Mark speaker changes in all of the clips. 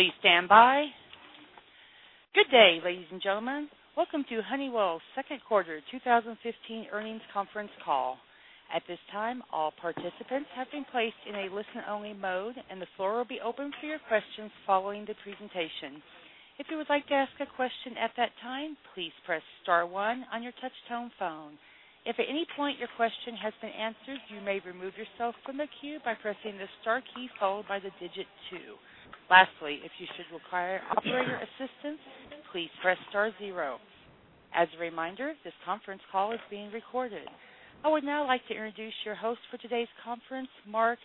Speaker 1: Please stand by. Good day, ladies and gentlemen. Welcome to Honeywell's second quarter 2015 earnings conference call. At this time, all participants have been placed in a listen-only mode, and the floor will be open for your questions following the presentation. If you would like to ask a question at that time, please press star one on your touch-tone phone. If at any point your question has been answered, you may remove yourself from the queue by pressing the star key, followed by the digit two. Lastly, if you should require operator assistance, please press star zero. As a reminder, this conference call is being recorded. I would now like to introduce your host for today's conference, Mark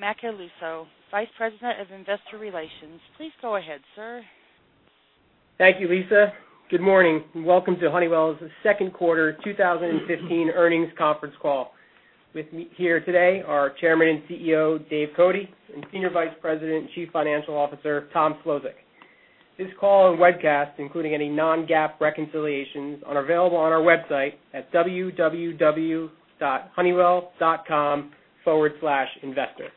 Speaker 1: Macaluso, Vice President of Investor Relations. Please go ahead, sir.
Speaker 2: Thank you, Lisa. Good morning. Welcome to Honeywell's second quarter 2015 earnings conference call. With me here today are Chairman and CEO, Dave Cote, and Senior Vice President and Chief Financial Officer, Tom Szlosek. This call and webcast, including any non-GAAP reconciliations, are available on our website at www.honeywell.com/investor.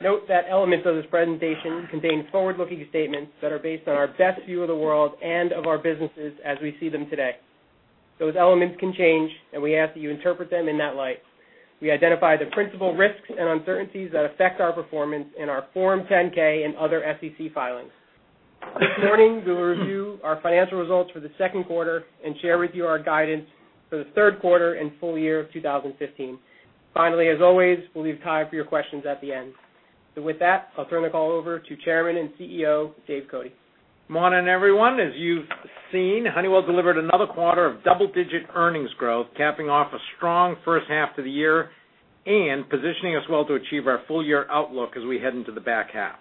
Speaker 2: Note that elements of this presentation contain forward-looking statements that are based on our best view of the world and of our businesses as we see them today. Those elements can change, and we ask that you interpret them in that light. We identify the principal risks and uncertainties that affect our performance in our Form 10-K and other SEC filings. This morning, we will review our financial results for the second quarter and share with you our guidance for the third quarter and full year of 2015. Finally, as always, we'll leave time for your questions at the end. With that, I'll turn the call over to Chairman and CEO, Dave Cote.
Speaker 3: Morning, everyone. As you've seen, Honeywell delivered another quarter of double-digit earnings growth, capping off a strong first half to the year and positioning us well to achieve our full-year outlook as we head into the back half.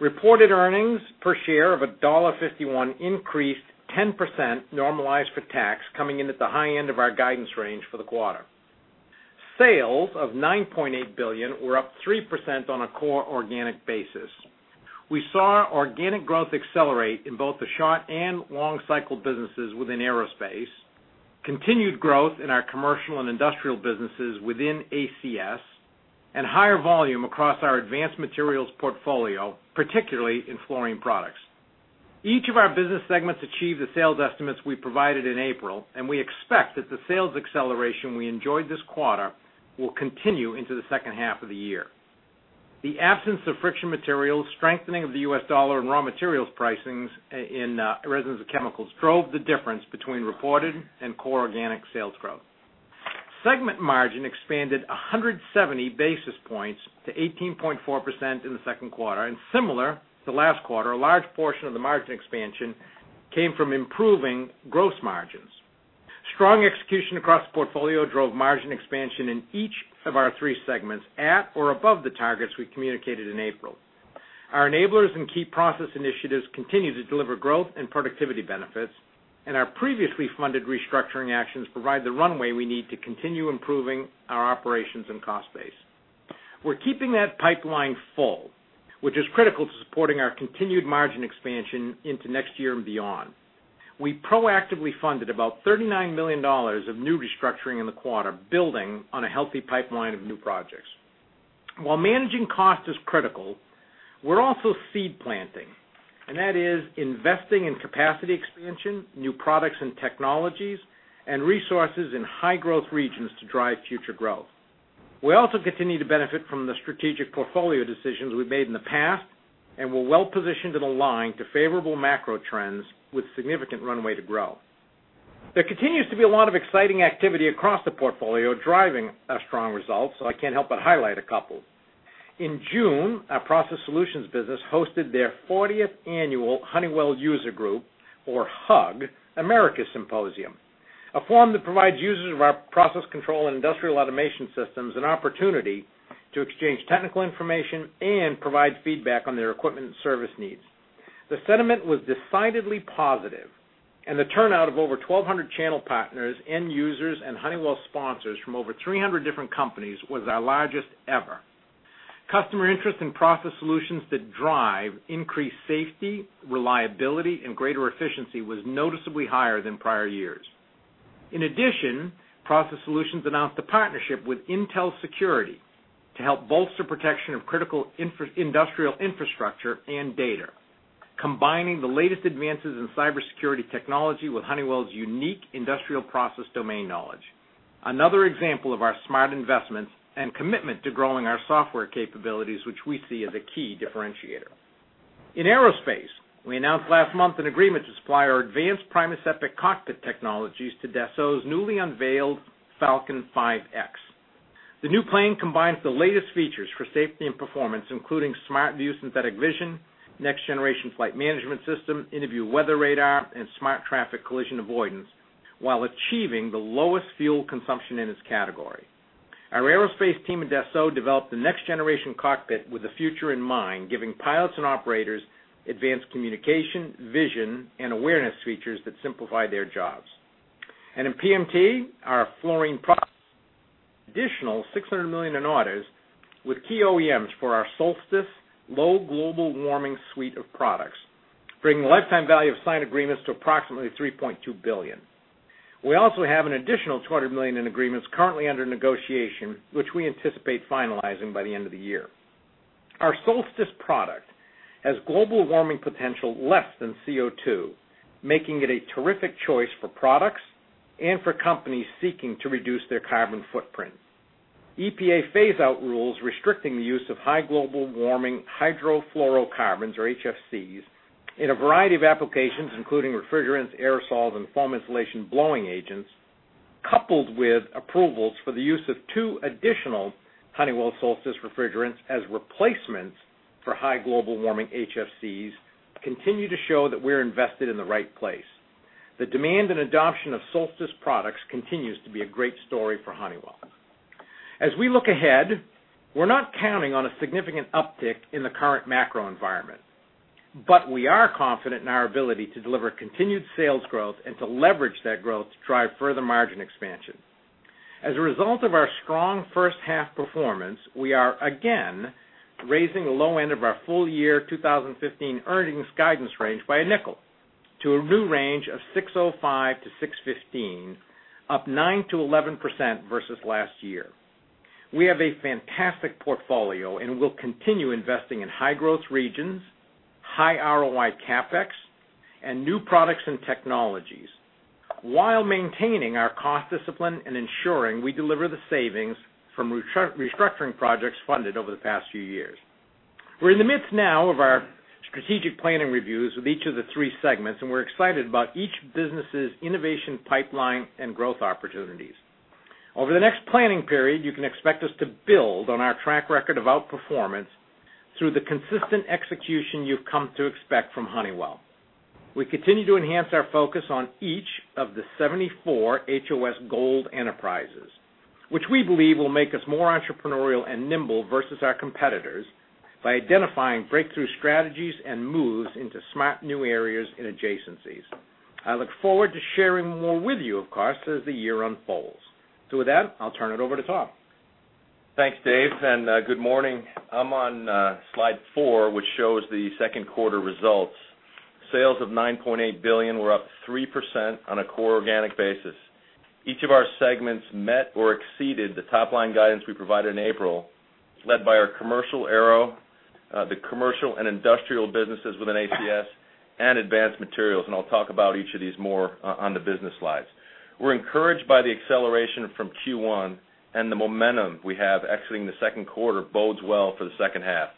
Speaker 3: Reported earnings per share of $1.51 increased 10%, normalized for tax, coming in at the high end of our guidance range for the quarter. Sales of $9.8 billion were up 3% on a core organic basis. We saw organic growth accelerate in both the short and long cycle businesses within Aerospace, continued growth in our commercial and industrial businesses within ACS, and higher volume across our advanced materials portfolio, particularly in fluorine products. Each of our business segments achieved the sales estimates we provided in April, and we expect that the sales acceleration we enjoyed this quarter will continue into the second half of the year. The absence of friction materials, strengthening of the US dollar, and raw materials pricings in resins and chemicals drove the difference between reported and core organic sales growth. Segment margin expanded 170 basis points to 18.4% in the second quarter. Similar to last quarter, a large portion of the margin expansion came from improving gross margins. Strong execution across the portfolio drove margin expansion in each of our three segments, at or above the targets we communicated in April. Our enablers and key process initiatives continue to deliver growth and productivity benefits, our previously funded restructuring actions provide the runway we need to continue improving our operations and cost base. We're keeping that pipeline full, which is critical to supporting our continued margin expansion into next year and beyond. We proactively funded about $39 million of new restructuring in the quarter, building on a healthy pipeline of new projects. While managing cost is critical, we're also seed planting, that is investing in capacity expansion, new products and technologies, and resources in high-growth regions to drive future growth. We also continue to benefit from the strategic portfolio decisions we've made in the past and we're well positioned and aligned to favorable macro trends with significant runway to grow. There continues to be a lot of exciting activity across the portfolio, driving our strong results, so I can't help but highlight a couple. In June, our Process Solutions business hosted their 40th annual Honeywell User Group, or HUG, Americas Symposium, a forum that provides users of our process control and industrial automation systems an opportunity to exchange technical information and provide feedback on their equipment and service needs. The sentiment was decidedly positive, the turnout of over 1,200 channel partners, end users, and Honeywell sponsors from over 300 different companies was our largest ever. Customer interest in Process Solutions that drive increased safety, reliability, and greater efficiency was noticeably higher than prior years. In addition, Process Solutions announced a partnership with Intel Security to help bolster protection of critical industrial infrastructure and data, combining the latest advances in cybersecurity technology with Honeywell's unique industrial process domain knowledge. Another example of our smart investments and commitment to growing our software capabilities, which we see as a key differentiator. In aerospace, we announced last month an agreement to supply our advanced Primus Epic cockpit technologies to Dassault's newly unveiled Falcon 5X. The new plane combines the latest features for safety and performance, including SmartView Synthetic Vision, Next Generation Flight Management System, IntuVue Weather Radar, and SmartTraffic Collision Avoidance while achieving the lowest fuel consumption in its category. Our aerospace team at Dassault developed the next-generation cockpit with the future in mind, giving pilots and operators advanced communication, vision, and awareness features that simplify their jobs. In PMT, our fluorine products, additional $600 million in orders with key OEMs for our Solstice low global warming suite of products. Bringing the lifetime value of signed agreements to approximately $3.2 billion. We also have an additional $200 million in agreements currently under negotiation, which we anticipate finalizing by the end of the year. Our Solstice product has global warming potential less than CO2, making it a terrific choice for products and for companies seeking to reduce their carbon footprint. EPA phase-out rules restricting the use of high global warming hydrofluorocarbons, or HFCs, in a variety of applications, including refrigerants, aerosols, and foam insulation blowing agents, coupled with approvals for the use of two additional Honeywell Solstice refrigerants as replacements for high global warming HFCs, continue to show that we're invested in the right place. The demand and adoption of Solstice products continues to be a great story for Honeywell. As we look ahead, we're not counting on a significant uptick in the current macro environment, but we are confident in our ability to deliver continued sales growth and to leverage that growth to drive further margin expansion. As a result of our strong first half performance, we are again raising the low end of our full year 2015 earnings guidance range by $0.05 to a new range of $6.05-$6.15, up 9%-11% versus last year. We have a fantastic portfolio. We'll continue investing in high growth regions, high ROI CapEx, and new products and technologies while maintaining our cost discipline and ensuring we deliver the savings from restructuring projects funded over the past few years. We're in the midst now of our strategic planning reviews with each of the three segments. We're excited about each business's innovation pipeline and growth opportunities. Over the next planning period, you can expect us to build on our track record of outperformance through the consistent execution you've come to expect from Honeywell. We continue to enhance our focus on each of the 74 HOS Gold enterprises, which we believe will make us more entrepreneurial and nimble versus our competitors by identifying breakthrough strategies and moves into smart new areas and adjacencies. I look forward to sharing more with you, of course, as the year unfolds. With that, I'll turn it over to Tom.
Speaker 4: Thanks, Dave, and good morning. I'm on slide four, which shows the second quarter results. Sales of $9.8 billion were up 3% on a core organic basis. Each of our segments met or exceeded the top-line guidance we provided in April, led by our commercial Aero, the commercial and industrial businesses within ACS, and advanced materials. I'll talk about each of these more on the business slides. We're encouraged by the acceleration from Q1 and the momentum we have exiting the second quarter bodes well for the second half.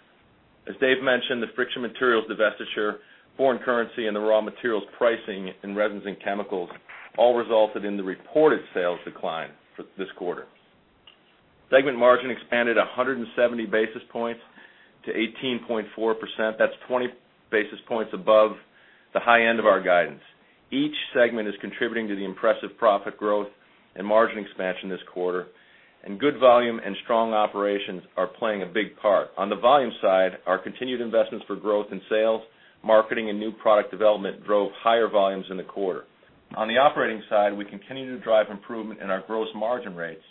Speaker 4: As Dave mentioned, the friction materials divestiture, foreign currency, and the raw materials pricing in resins and chemicals all resulted in the reported sales decline for this quarter. Segment margin expanded 170 basis points to 18.4%. That's 20 basis points above the high end of our guidance. Each segment is contributing to the impressive profit growth and margin expansion this quarter, good volume and strong operations are playing a big part. On the volume side, our continued investments for growth in sales, marketing, and new product development drove higher volumes in the quarter. On the operating side, we continue to drive improvement in our gross margin rates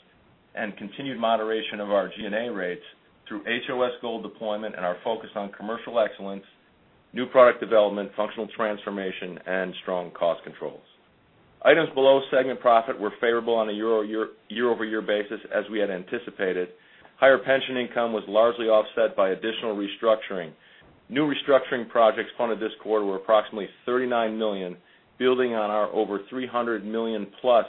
Speaker 4: and continued moderation of our G&A rates through HOS Gold deployment and our focus on commercial excellence, new product development, functional transformation, and strong cost controls. Items below segment profit were favorable on a year-over-year basis, as we had anticipated. Higher pension income was largely offset by additional restructuring. New restructuring projects funded this quarter were approximately $39 million, building on our over $300 million-plus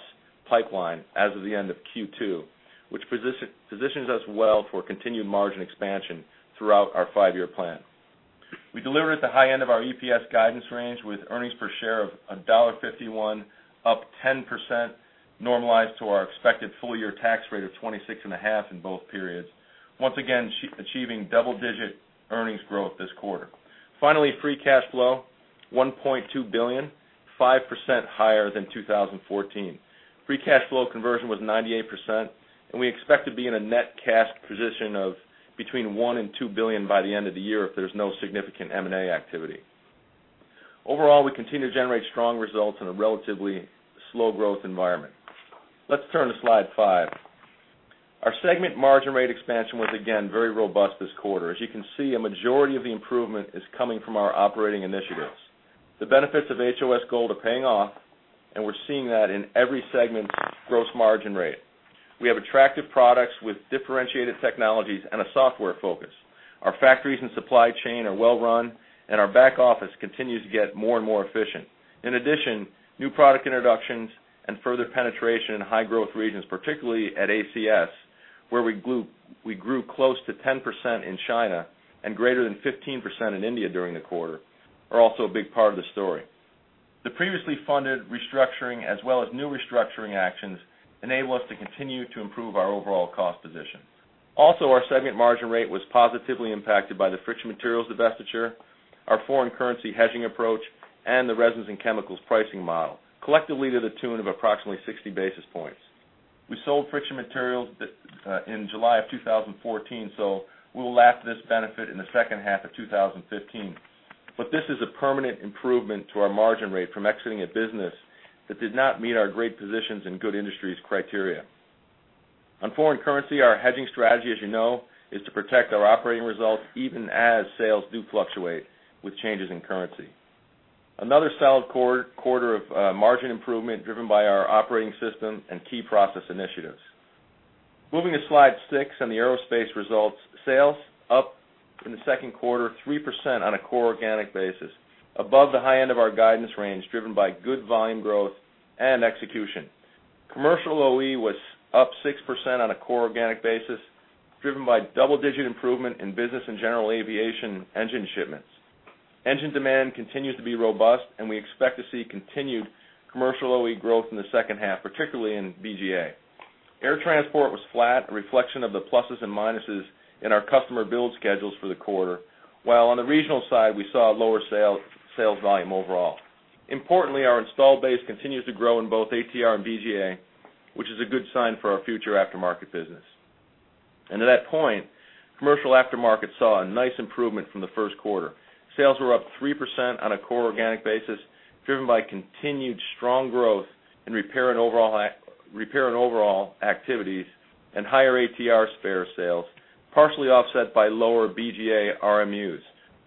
Speaker 4: pipeline as of the end of Q2, which positions us well for continued margin expansion throughout our five-year plan. We delivered at the high end of our EPS guidance range with earnings per share of $1.51, up 10%, normalized to our expected full-year tax rate of 26.5% in both periods. Once again, achieving double-digit earnings growth this quarter. Free cash flow, $1.2 billion, 5% higher than 2014. Free cash flow conversion was 98%, and we expect to be in a net cash position of between $1 billion and $2 billion by the end of the year if there's no significant M&A activity. Overall, we continue to generate strong results in a relatively slow growth environment. Let's turn to slide five. Our segment margin rate expansion was again very robust this quarter. As you can see, a majority of the improvement is coming from our operating initiatives. The benefits of HOS Gold are paying off, and we're seeing that in every segment's gross margin rate. We have attractive products with differentiated technologies and a software focus. Our factories and supply chain are well run, our back office continues to get more and more efficient. In addition, new product introductions and further penetration in high growth regions, particularly at ACS, where we grew close to 10% in China and greater than 15% in India during the quarter, are also a big part of the story. The previously funded restructuring as well as new restructuring actions enable us to continue to improve our overall cost position. Our segment margin rate was positively impacted by the friction materials divestiture, our foreign currency hedging approach, and the resins and chemicals pricing model, collectively to the tune of approximately 60 basis points. We sold friction materials in July of 2014, so we'll lap this benefit in the second half of 2015. This is a permanent improvement to our margin rate from exiting a business that did not meet our great positions in good industries criteria. On foreign currency, our hedging strategy, as you know, is to protect our operating results even as sales do fluctuate with changes in currency. Another solid quarter of margin improvement, driven by our operating system and key process initiatives. Moving to slide 6 on the aerospace results, sales up in the second quarter, 3% on a core organic basis, above the high end of our guidance range, driven by good volume growth and execution. Commercial OE was up 6% on a core organic basis, driven by double-digit improvement in business and general aviation engine shipments. Engine demand continues to be robust, we expect to see continued commercial OE growth in the second half, particularly in BGA. Air transport was flat, a reflection of the pluses and minuses in our customer build schedules for the quarter, while on the regional side, we saw lower sales volume overall. Importantly, our installed base continues to grow in both ATR and BGA, which is a good sign for our future aftermarket business. To that point, commercial aftermarket saw a nice improvement from the first quarter. Sales were up 3% on a core organic basis, driven by continued strong growth in Repair and Overhaul activities and higher ATR spare sales, partially offset by lower BGA RMUs,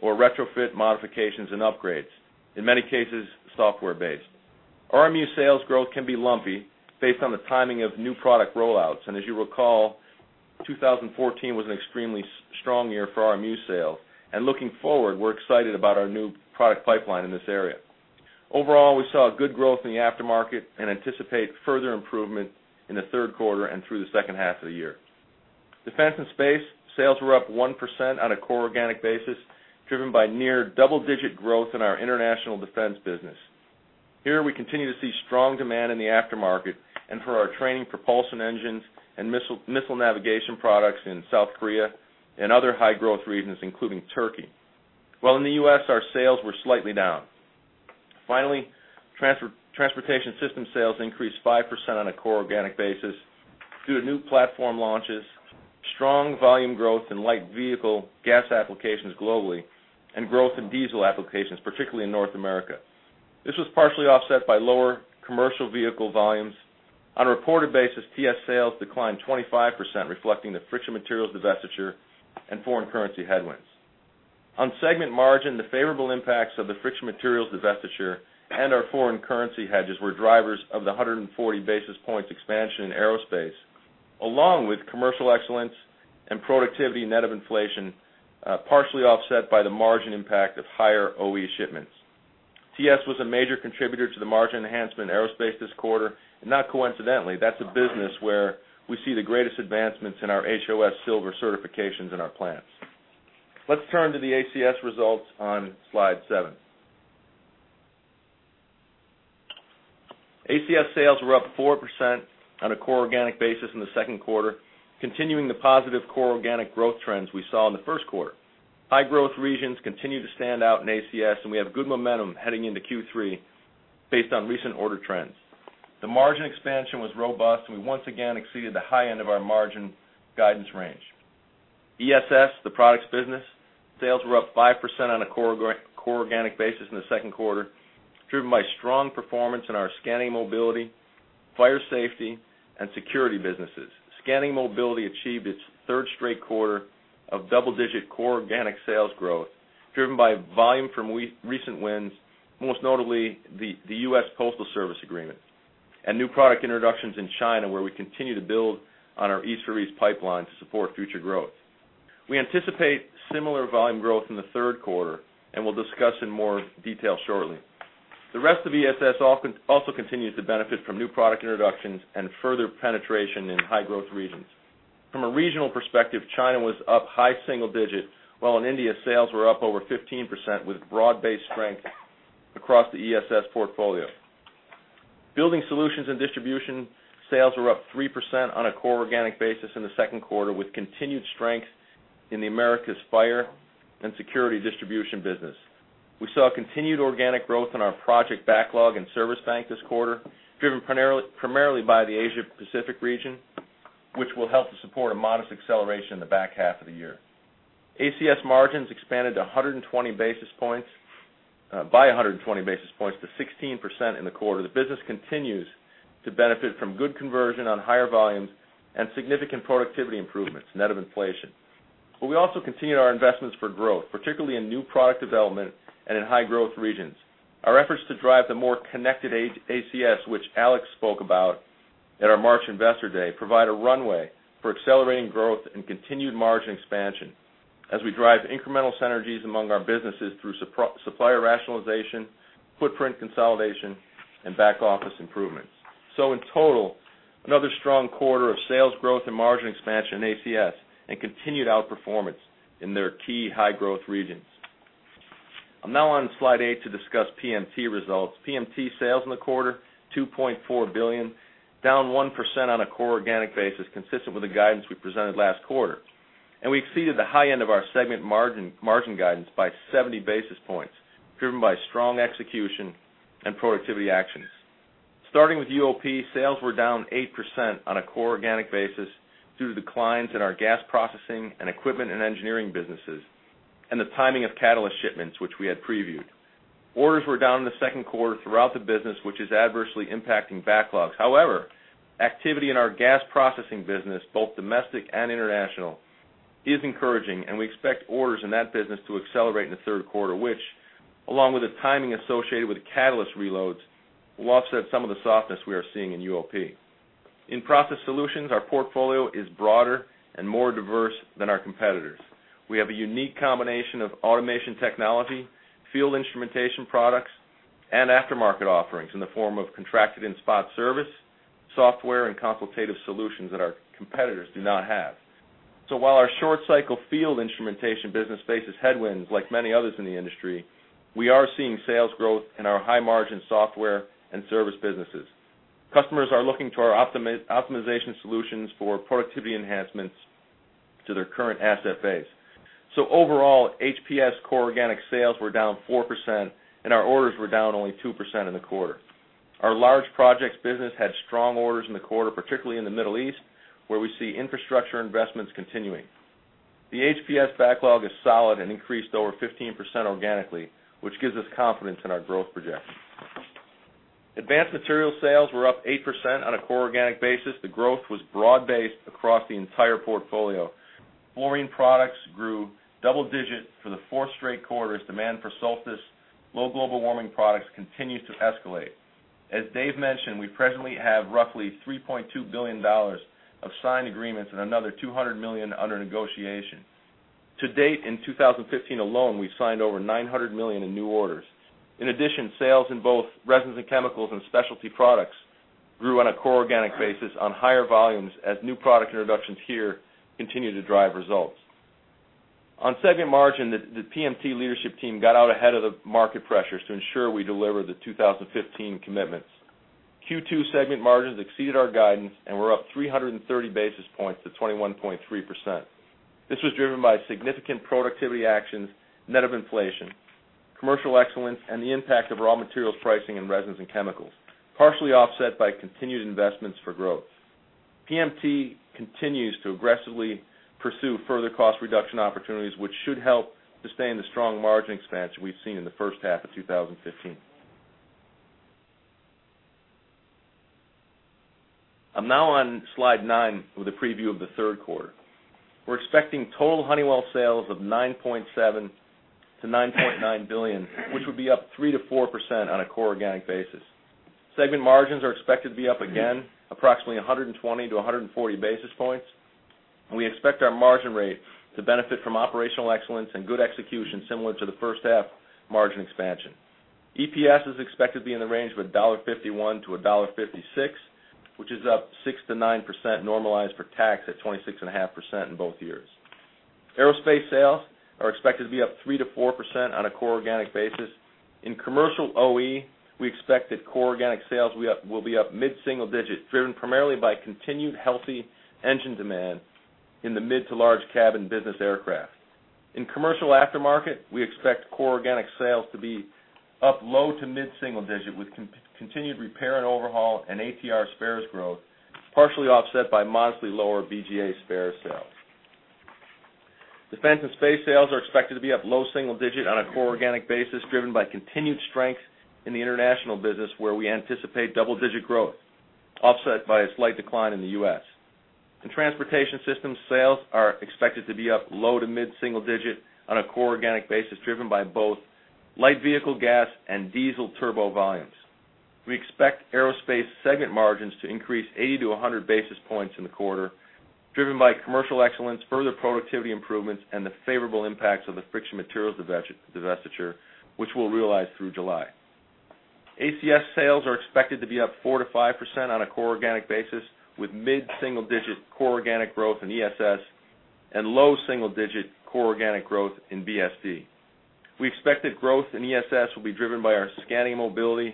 Speaker 4: or retrofit modifications and upgrades, in many cases, software-based. RMU sales growth can be lumpy based on the timing of new product rollouts. As you recall, 2014 was an extremely strong year for RMU sales. Looking forward, we're excited about our new product pipeline in this area. Overall, we saw good growth in the aftermarket and anticipate further improvement in the third quarter and through the second half of the year. Defense and space sales were up 1% on a core organic basis, driven by near double-digit growth in our international defense business. Here, we continue to see strong demand in the aftermarket and for our training propulsion engines and missile navigation products in South Korea and other high-growth regions, including Turkey. While in the U.S., our sales were slightly down. Finally, transportation system sales increased 5% on a core organic basis due to new platform launches, strong volume growth in light vehicle gas applications globally, and growth in diesel applications, particularly in North America. This was partially offset by lower commercial vehicle volumes. On a reported basis, TS sales declined 25%, reflecting the friction materials divestiture and foreign currency headwinds. On segment margin, the favorable impacts of the friction materials divestiture and our foreign currency hedges were drivers of the 140 basis points expansion in Aerospace, along with commercial excellence and productivity net of inflation, partially offset by the margin impact of higher OE shipments. TS was a major contributor to the margin enhancement Aerospace this quarter. Not coincidentally, that's a business where we see the greatest advancements in our HOS Silver certifications in our plants. Let's turn to the ACS results on slide seven. ACS sales were up 4% on a core organic basis in the second quarter, continuing the positive core organic growth trends we saw in the first quarter. High growth regions continue to stand out in ACS. We have good momentum heading into Q3 based on recent order trends. The margin expansion was robust. We once again exceeded the high end of our margin guidance range. ESS, the products business, sales were up 5% on a core organic basis in the second quarter, driven by strong performance in our scanning mobility, fire safety, and security businesses. Scanning mobility achieved its third straight quarter of double-digit core organic sales growth, driven by volume from recent wins, most notably the U.S. Postal Service agreement, and new product introductions in China, where we continue to build on our E3 pipeline to support future growth. We anticipate similar volume growth in the third quarter. We'll discuss in more detail shortly. The rest of ESS also continues to benefit from new product introductions and further penetration in high-growth regions. From a regional perspective, China was up high single digit, while in India, sales were up over 15%, with broad-based strength across the ESS portfolio. Building Solutions & Distribution sales were up 3% on a core organic basis in the second quarter, with continued strength in the Americas fire and security distribution business. We saw continued organic growth in our project backlog and service bank this quarter, driven primarily by the Asia Pacific region, which will help to support a modest acceleration in the back half of the year. ACS margins expanded by 120 basis points to 16% in the quarter. The business continues to benefit from good conversion on higher volumes and significant productivity improvements net of inflation. We also continued our investments for growth, particularly in new product development and in high-growth regions. Our efforts to drive the more connected ACS, which Alex spoke about at our March Investor Day, provide a runway for accelerating growth and continued margin expansion as we drive incremental synergies among our businesses through supplier rationalization, footprint consolidation, and back-office improvements. In total, another strong quarter of sales growth and margin expansion in ACS and continued outperformance in their key high-growth regions. I'm now on Slide 8 to discuss PMT results. PMT sales in the quarter, $2.4 billion, down 1% on a core organic basis, consistent with the guidance we presented last quarter. We exceeded the high end of our segment margin guidance by 70 basis points, driven by strong execution and productivity actions. Starting with UOP, sales were down 8% on a core organic basis due to declines in our gas processing and equipment and engineering businesses and the timing of catalyst shipments, which we had previewed. Orders were down in the second quarter throughout the business, which is adversely impacting backlogs. However, activity in our gas processing business, both domestic and international, is encouraging, and we expect orders in that business to accelerate in the third quarter, which, along with the timing associated with catalyst reloads, will offset some of the softness we are seeing in UOP. In Process Solutions, our portfolio is broader and more diverse than our competitors. We have a unique combination of automation technology, field instrumentation products, and aftermarket offerings in the form of contracted and spot service, software and consultative solutions that our competitors do not have. While our short cycle field instrumentation business faces headwinds like many others in the industry, we are seeing sales growth in our high-margin software and service businesses. Customers are looking to our optimization solutions for productivity enhancements to their current asset base. Overall, HPS core organic sales were down 4% and our orders were down only 2% in the quarter. Our large projects business had strong orders in the quarter, particularly in the Middle East, where we see infrastructure investments continuing. The HPS backlog is solid and increased over 15% organically, which gives us confidence in our growth projections. Advanced material sales were up 8% on a core organic basis. The growth was broad-based across the entire portfolio. Fluorine products grew double digits for the fourth straight quarter as demand for Solstice's low global warming products continued to escalate. As Dave mentioned, we presently have roughly $3.2 billion of signed agreements and another $200 million under negotiation. To date, in 2015 alone, we've signed over $900 million in new orders. In addition, sales in both resins and chemicals and specialty products grew on a core organic basis on higher volumes as new product introductions here continue to drive results. On segment margin, the PMT leadership team got out ahead of the market pressures to ensure we deliver the 2015 commitments. Q2 segment margins exceeded our guidance and were up 330 basis points to 21.3%. This was driven by significant productivity actions net of inflation, commercial excellence, and the impact of raw materials pricing in resins and chemicals, partially offset by continued investments for growth. PMT continues to aggressively pursue further cost reduction opportunities, which should help sustain the strong margin expansion we've seen in the first half of 2015. I'm now on slide nine with a preview of the third quarter. We're expecting total Honeywell sales of $9.7 billion-$9.9 billion, which would be up 3%-4% on a core organic basis. Segment margins are expected to be up again, approximately 120-140 basis points, and we expect our margin rate to benefit from operational excellence and good execution similar to the first half margin expansion. EPS is expected to be in the range of $1.51-$1.56, which is up 6%-9% normalized for tax at 26.5% in both years. Aerospace sales are expected to be up 3%-4% on a core organic basis. In commercial OE, we expect that core organic sales will be up mid-single digit, driven primarily by continued healthy engine demand in the mid to large cabin business aircraft. In commercial aftermarket, we expect core organic sales to be up low to mid-single digit, with continued Repair and Overhaul and ATR spares growth, partially offset by modestly lower BGA spare sales. Defense and space sales are expected to be up low single digit on a core organic basis, driven by continued strength in the international business where we anticipate double-digit growth, offset by a slight decline in the U.S. In transportation systems, sales are expected to be up low to mid-single digit on a core organic basis, driven by both light vehicle gas and diesel turbo volumes. We expect Aerospace segment margins to increase 80-100 basis points in the quarter, driven by commercial excellence, further productivity improvements, and the favorable impacts of the friction materials divestiture, which we'll realize through July. ACS sales are expected to be up 4%-5% on a core organic basis, with mid-single digit core organic growth in ESS and low single digit core organic growth in BSD. We expect that growth in ESS will be driven by our scanning mobility,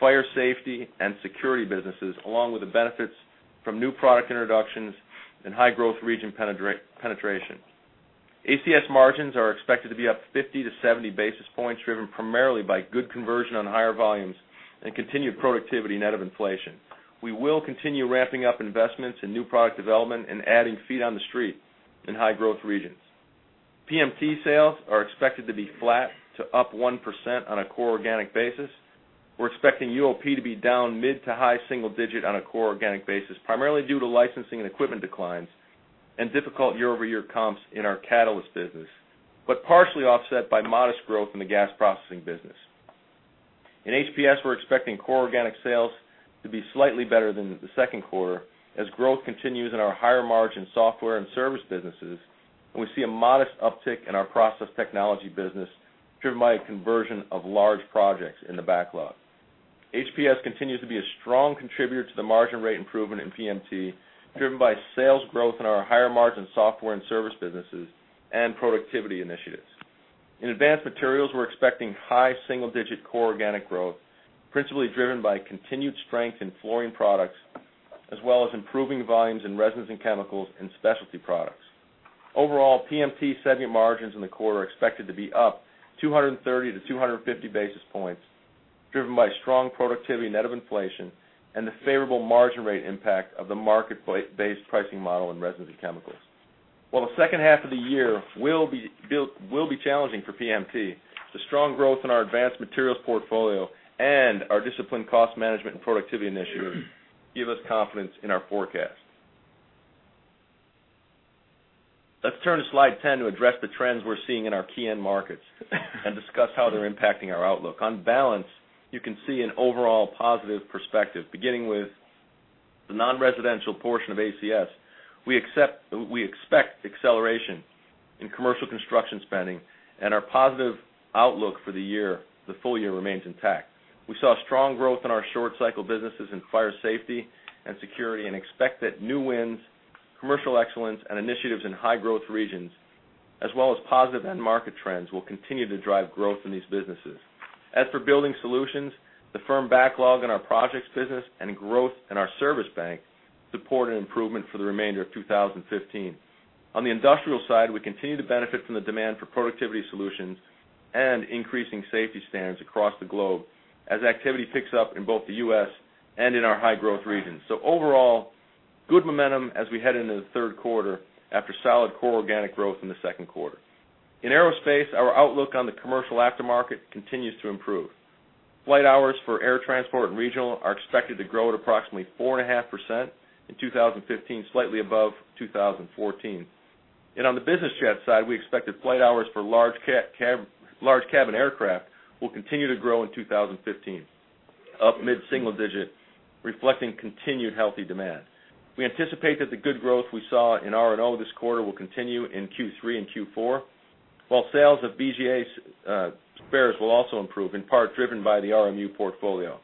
Speaker 4: fire safety, and security businesses, along with the benefits from new product introductions and high-growth region penetration. ACS margins are expected to be up 50-70 basis points, driven primarily by good conversion on higher volumes and continued productivity net of inflation. We will continue ramping up investments in new product development and adding feet on the street in high-growth regions. PMT sales are expected to be flat to up 1% on a core organic basis. We're expecting UOP to be down mid- to high single-digit on a core organic basis, primarily due to licensing and equipment declines and difficult year-over-year comps in our catalyst business, but partially offset by modest growth in the gas processing business. In HPS, we're expecting core organic sales to be slightly better than the second quarter as growth continues in our higher margin software and service businesses, and we see a modest uptick in our process technology business driven by a conversion of large projects in the backlog. HPS continues to be a strong contributor to the margin rate improvement in PMT, driven by sales growth in our higher margin software and service businesses and productivity initiatives. In advanced materials, we're expecting high single-digit core organic growth, principally driven by continued strength in fluorine products, as well as improving volumes in resins and chemicals and specialty products. Overall, PMT segment margins in the quarter are expected to be up 230-250 basis points Driven by strong productivity net of inflation and the favorable margin rate impact of the market-based pricing model in resins and chemicals. While the second half of the year will be challenging for PMT, the strong growth in our advanced materials portfolio and our disciplined cost management and productivity initiatives give us confidence in our forecast. Let's turn to slide 10 to address the trends we're seeing in our key end markets and discuss how they're impacting our outlook. On balance, you can see an overall positive perspective. Beginning with the non-residential portion of ACS, we expect acceleration in commercial construction spending and our positive outlook for the year, the full year remains intact. We saw strong growth in our short cycle businesses in fire safety and security and expect that new wins, commercial excellence, and initiatives in high growth regions, as well as positive end market trends, will continue to drive growth in these businesses. As for building solutions, the firm backlog in our projects business and growth in our service bank support an improvement for the remainder of 2015. On the industrial side, we continue to benefit from the demand for productivity solutions and increasing safety standards across the globe as activity picks up in both the U.S. and in our high-growth regions. Overall, good momentum as we head into the third quarter after solid core organic growth in the second quarter. In aerospace, our outlook on the commercial aftermarket continues to improve. Flight hours for air transport and regional are expected to grow at approximately 4.5% in 2015, slightly above 2014. On the business jet side, we expect that flight hours for large cabin aircraft will continue to grow in 2015, up mid-single-digit, reflecting continued healthy demand. We anticipate that the good growth we saw in RNO this quarter will continue in Q3 and Q4, while sales of BGA spares will also improve, in part driven by the RMU portfolio.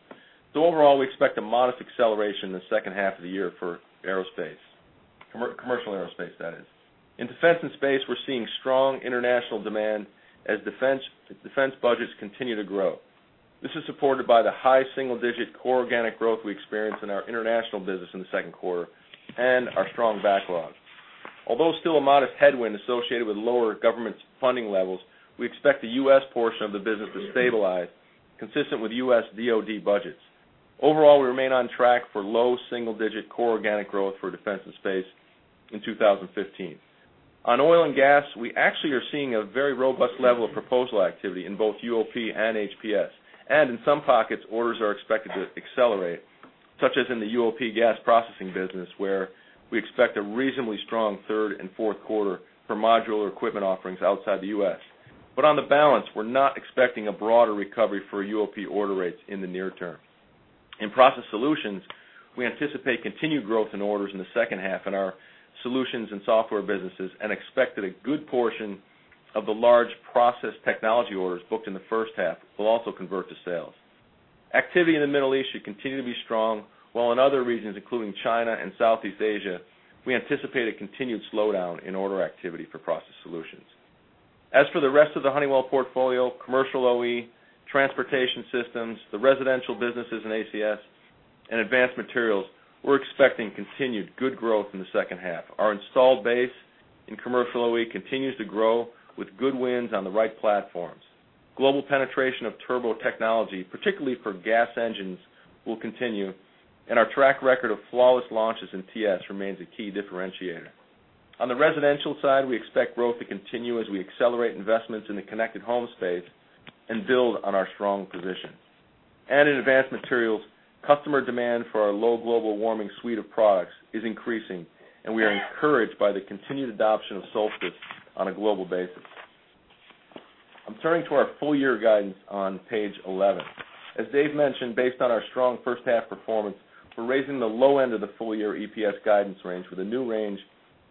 Speaker 4: Overall, we expect a modest acceleration in the second half of the year for aerospace, commercial aerospace, that is. In defense and space, we're seeing strong international demand as defense budgets continue to grow. This is supported by the high single-digit core organic growth we experienced in our international business in the second quarter and our strong backlog. Although still a modest headwind associated with lower government funding levels, we expect the U.S. portion of the business to stabilize, consistent with U.S. DOD budgets. Overall, we remain on track for low single-digit core organic growth for defense and space in 2015. On oil and gas, we actually are seeing a very robust level of proposal activity in both UOP and HPS. In some pockets, orders are expected to accelerate, such as in the UOP gas processing business, where we expect a reasonably strong third and fourth quarter for modular equipment offerings outside the U.S. On the balance, we're not expecting a broader recovery for UOP order rates in the near term. In Process Solutions, we anticipate continued growth in orders in the second half in our solutions and software businesses and expect that a good portion of the large process technology orders booked in the first half will also convert to sales. Activity in the Middle East should continue to be strong, while in other regions, including China and Southeast Asia, we anticipate a continued slowdown in order activity for Process Solutions. As for the rest of the Honeywell portfolio, commercial OE, Transportation Systems, the residential businesses in ACS, and advanced materials, we're expecting continued good growth in the second half. Our installed base in commercial OE continues to grow with good wins on the right platforms. Global penetration of turbo technology, particularly for gas engines, will continue, and our track record of flawless launches in TS remains a key differentiator. On the residential side, we expect growth to continue as we accelerate investments in the connected home space and build on our strong position. In advanced materials, customer demand for our low global warming suite of products is increasing, and we are encouraged by the continued adoption of Solstice on a global basis. I'm turning to our full-year guidance on page 11. As Dave mentioned, based on our strong first half performance, we're raising the low end of the full-year EPS guidance range with a new range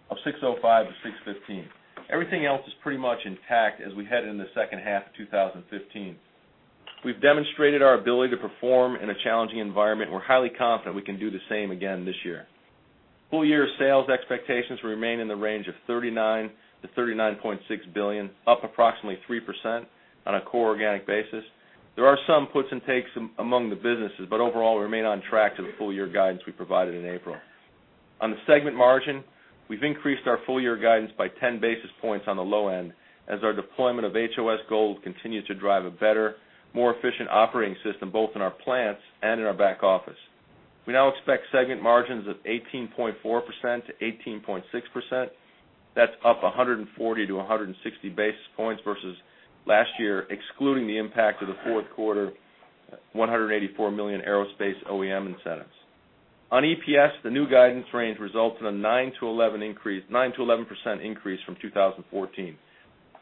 Speaker 4: of $6.05-$6.15. Everything else is pretty much intact as we head into the second half of 2015. We've demonstrated our ability to perform in a challenging environment. We're highly confident we can do the same again this year. Full-year sales expectations remain in the range of $39 billion-$39.6 billion, up approximately 3% on a core organic basis. There are some puts and takes among the businesses, overall, we remain on track to the full-year guidance we provided in April. On the segment margin, we've increased our full-year guidance by 10 basis points on the low end as our deployment of HOS Gold continues to drive a better, more efficient operating system, both in our plants and in our back office. We now expect segment margins of 18.4%-18.6%. That's up 140-160 basis points versus last year, excluding the impact of the fourth quarter $184 million aerospace OEM incentives. On EPS, the new guidance range results in a 9%-11% increase from 2014.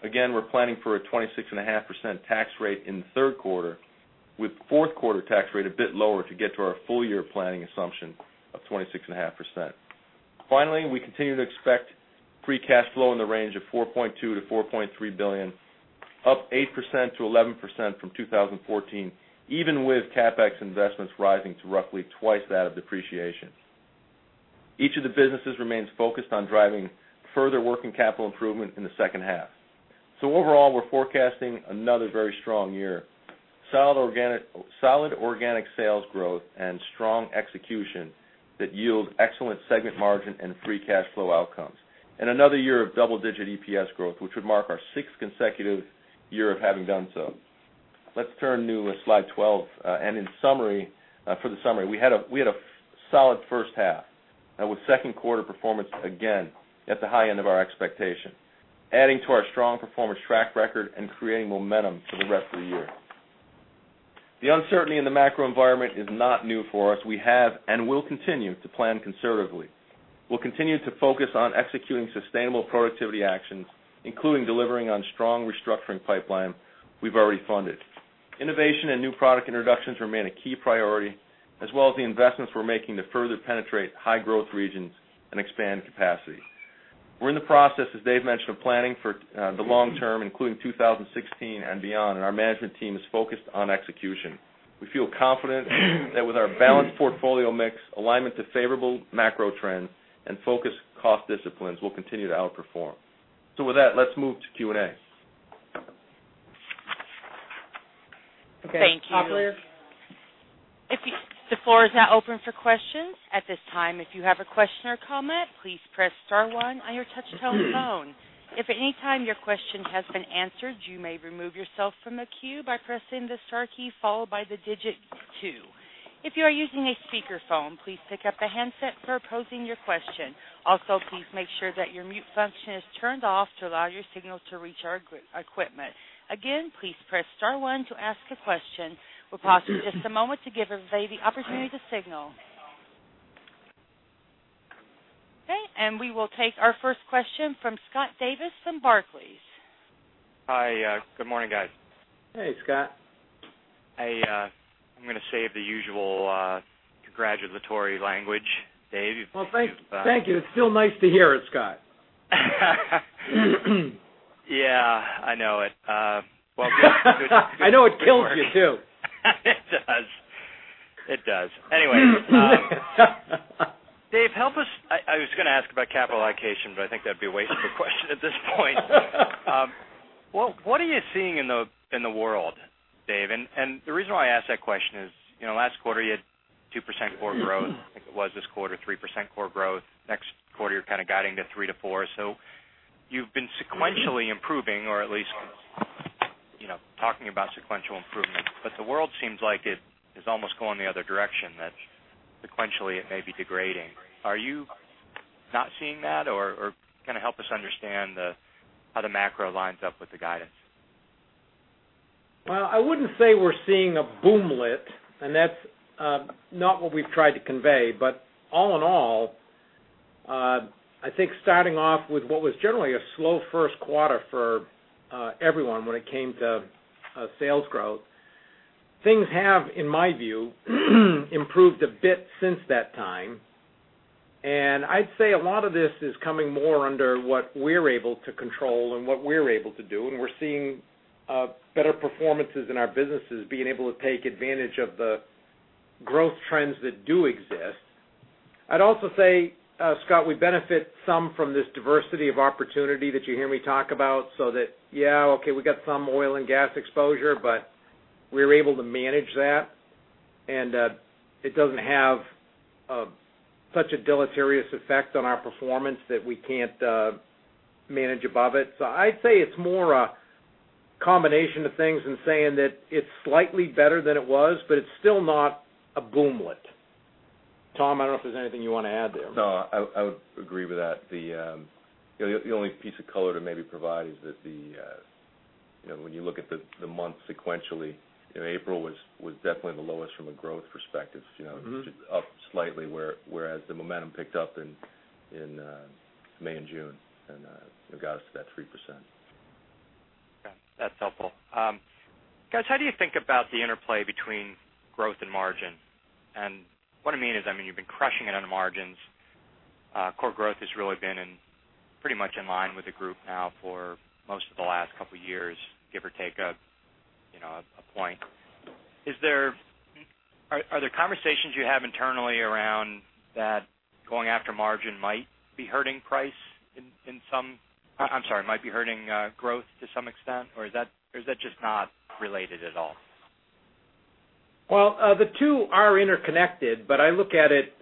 Speaker 4: Again, we're planning for a 26.5% tax rate in the third quarter, with fourth quarter tax rate a bit lower to get to our full-year planning assumption of 26.5%. We continue to expect free cash flow in the range of $4.2 billion-$4.3 billion, up 8%-11% from 2014, even with CapEx investments rising to roughly twice that of depreciation. Each of the businesses remains focused on driving further working capital improvement in the second half. Overall, we're forecasting another very strong year. Solid organic sales growth and strong execution that yield excellent segment margin and free cash flow outcomes. Another year of double-digit EPS growth, which would mark our sixth consecutive year of having done so. Let's turn to slide twelve. For the summary, we had a solid first half with second quarter performance, again, at the high end of our expectation, adding to our strong performance track record and creating momentum for the rest of the year. The uncertainty in the macro environment is not new for us. We have, and will continue to plan conservatively. We'll continue to focus on executing sustainable productivity actions, including delivering on strong restructuring pipeline we've already funded. Innovation and new product introductions remain a key priority, as well as the investments we're making to further penetrate high growth regions and expand capacity. We're in the process, as Dave mentioned, of planning for the long term, including 2016 and beyond, and our management team is focused on execution. We feel confident that with our balanced portfolio mix, alignment to favorable macro trends, and focused cost disciplines, we'll continue to outperform. With that, let's move to Q&A.
Speaker 1: Thank you.
Speaker 3: Operator?
Speaker 1: The floor is now open for questions. At this time, if you have a question or comment, please press star one on your touch-tone phone. If at any time your question has been answered, you may remove yourself from the queue by pressing the star key, followed by the digit two. If you are using a speakerphone, please pick up the handset for posing your question. Also, please make sure that your mute function is turned off to allow your signal to reach our equipment. Again, please press star one to ask a question. We'll pause for just a moment to give everybody the opportunity to signal. Okay, we will take our first question from Scott Davis from Barclays.
Speaker 5: Hi, good morning guys.
Speaker 3: Hey, Scott.
Speaker 5: I'm going to save the usual congratulatory language, Dave.
Speaker 3: Well, thank you. It's still nice to hear it, Scott.
Speaker 5: Yeah, I know it.
Speaker 3: I know it kills you, too.
Speaker 5: It does. It does. Anyway. Dave, I was going to ask about capital allocation, but I think that'd be a waste of a question at this point. What are you seeing in the world, Dave? The reason why I ask that question is last quarter you had 2% core growth, I think it was this quarter 3% core growth. Next quarter you're kind of guiding to 3%-4%. You've been sequentially improving or at least talking about sequential improvement, but the world seems like it is almost going the other direction. That sequentially it may be degrading. Are you not seeing that? Help us understand how the macro lines up with the guidance.
Speaker 3: Well, I wouldn't say we're seeing a boomlet, and that's not what we've tried to convey. All in all, I think starting off with what was generally a slow first quarter for everyone when it came to sales growth, things have, in my view, improved a bit since that time. I'd say a lot of this is coming more under what we're able to control and what we're able to do, and we're seeing better performances in our businesses being able to take advantage of the growth trends that do exist. I'd also say, Scott, we benefit some from this diversity of opportunity that you hear me talk about, so that, yeah, okay, we've got some oil and gas exposure, but we're able to manage that, and it doesn't have such a deleterious effect on our performance that we can't manage above it. I'd say it's more a combination of things than saying that it's slightly better than it was, but it's still not a boomlet. Tom, I don't know if there's anything you want to add there.
Speaker 4: No, I would agree with that. The only piece of color to maybe provide is that when you look at the months sequentially, April was definitely the lowest from a growth perspective, up slightly, whereas the momentum picked up in May and June, it got us to that 3%.
Speaker 5: Okay, that's helpful. Guys, how do you think about the interplay between growth and margin? What I mean is, you've been crushing it on margins. Core growth has really been pretty much in line with the group now for most of the last couple years, give or take one point. Are there conversations you have internally around that going after margin might be hurting growth to some extent, or is that just not related at all?
Speaker 3: The two are interconnected, I look at it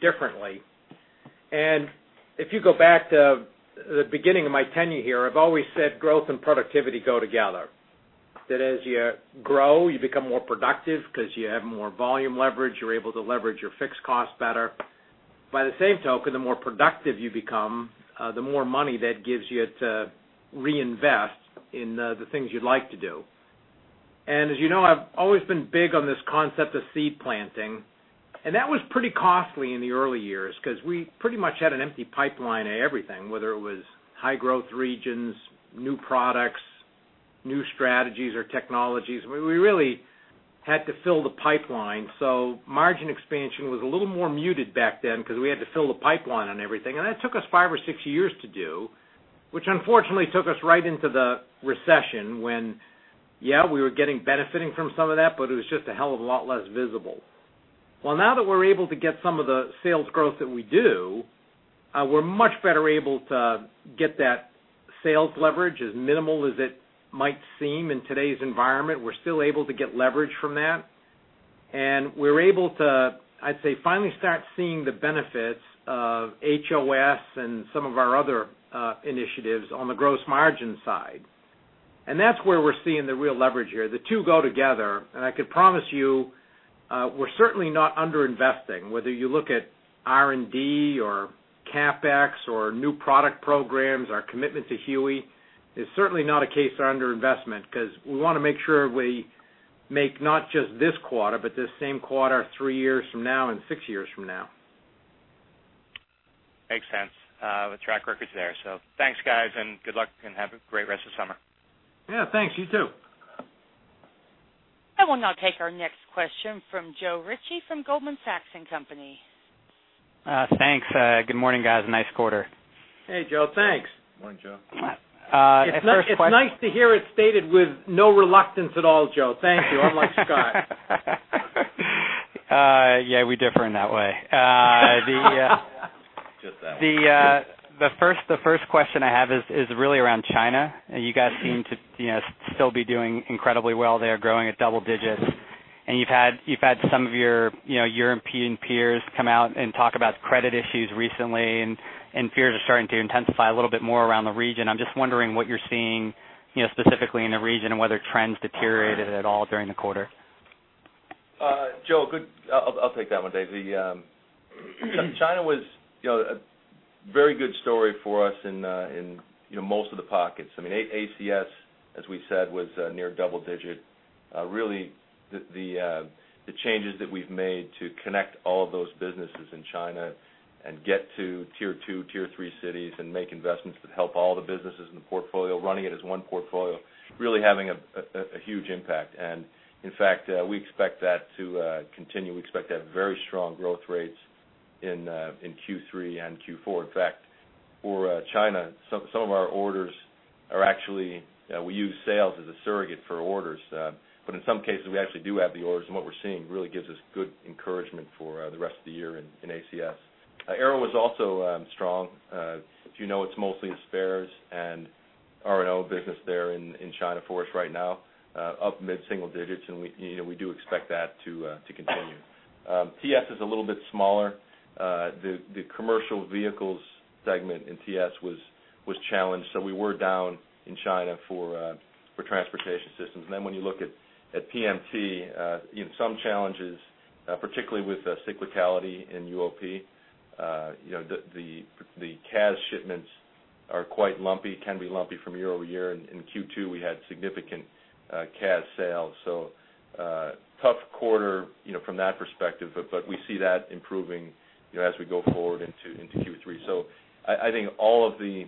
Speaker 3: differently. If you go back to the beginning of my tenure here, I've always said growth and productivity go together. That as you grow, you become more productive, because you have more volume leverage. You're able to leverage your fixed costs better. By the same token, the more productive you become, the more money that gives you to reinvest in the things you'd like to do. As you know, I've always been big on this concept of seed planting, and that was pretty costly in the early years because we pretty much had an empty pipeline of everything, whether it was high growth regions, new products, new strategies, or technologies. We really had to fill the pipeline. Margin expansion was a little more muted back then because we had to fill the pipeline on everything, that took us five or six years to do, which unfortunately took us right into the recession when, yeah, we were benefiting from some of that, it was just a hell of a lot less visible. Now that we're able to get some of the sales growth that we do, we're much better able to get that sales leverage. As minimal as it might seem in today's environment, we're still able to get leverage from that. We're able to, I'd say, finally start seeing the benefits of HOS and some of our other initiatives on the gross margin side. That's where we're seeing the real leverage here. The two go together, I could promise you, we're certainly not under-investing, whether you look at R&D or CapEx or new product programs, our commitment to HUE, it's certainly not a case of under-investment, because we want to make sure we make not just this quarter, but the same quarter three years from now and six years from now.
Speaker 5: Makes sense. The track record's there. Thanks, guys, and good luck, and have a great rest of summer.
Speaker 3: Yeah, thanks. You too.
Speaker 1: I will now take our next question from Joe Ritchie from Goldman Sachs and Company
Speaker 6: Thanks. Good morning, guys. Nice quarter.
Speaker 3: Hey, Joe. Thanks.
Speaker 4: Good morning, Joe.
Speaker 6: First question.
Speaker 3: It's nice to hear it stated with no reluctance at all, Joe. Thank you. Unlike Scott.
Speaker 6: Yeah, we differ in that way.
Speaker 3: Just that way. The first question I have is really around China. You guys seem to still be doing incredibly well there, growing at double digits. You've had some of your European peers come out and talk about credit issues recently, and fears are starting to intensify a little bit more around the region. I'm just wondering what you're seeing, specifically in the region and whether trends deteriorated at all during the quarter.
Speaker 4: Joe, I'll take that one, Dave. China was a very good story for us in most of the pockets. ACS, as we said, was near double digit. Really, the changes that we've made to connect all of those businesses in China and get to tier 2, tier 3 cities and make investments that help all the businesses in the portfolio, running it as one portfolio, really having a huge impact. In fact, we expect that to continue. We expect to have very strong growth rates in Q3 and Q4. In fact, for China, some of our orders are actually, we use sales as a surrogate for orders. In some cases, we actually do have the orders, and what we're seeing really gives us good encouragement for the rest of the year in ACS. Aero was also strong. If you know, it's mostly spares and R&O business there in China for us right now, up mid-single digits. We do expect that to continue. TS is a little bit smaller. The commercial vehicles segment in TS was challenged, so we were down in China for Transportation Systems. When you look at PMT, some challenges, particularly with cyclicality in UOP. The CAS shipments are quite lumpy, can be lumpy from year-over-year. In Q2, we had significant CAS sales. Tough quarter from that perspective, but we see that improving as we go forward into Q3. I think all of the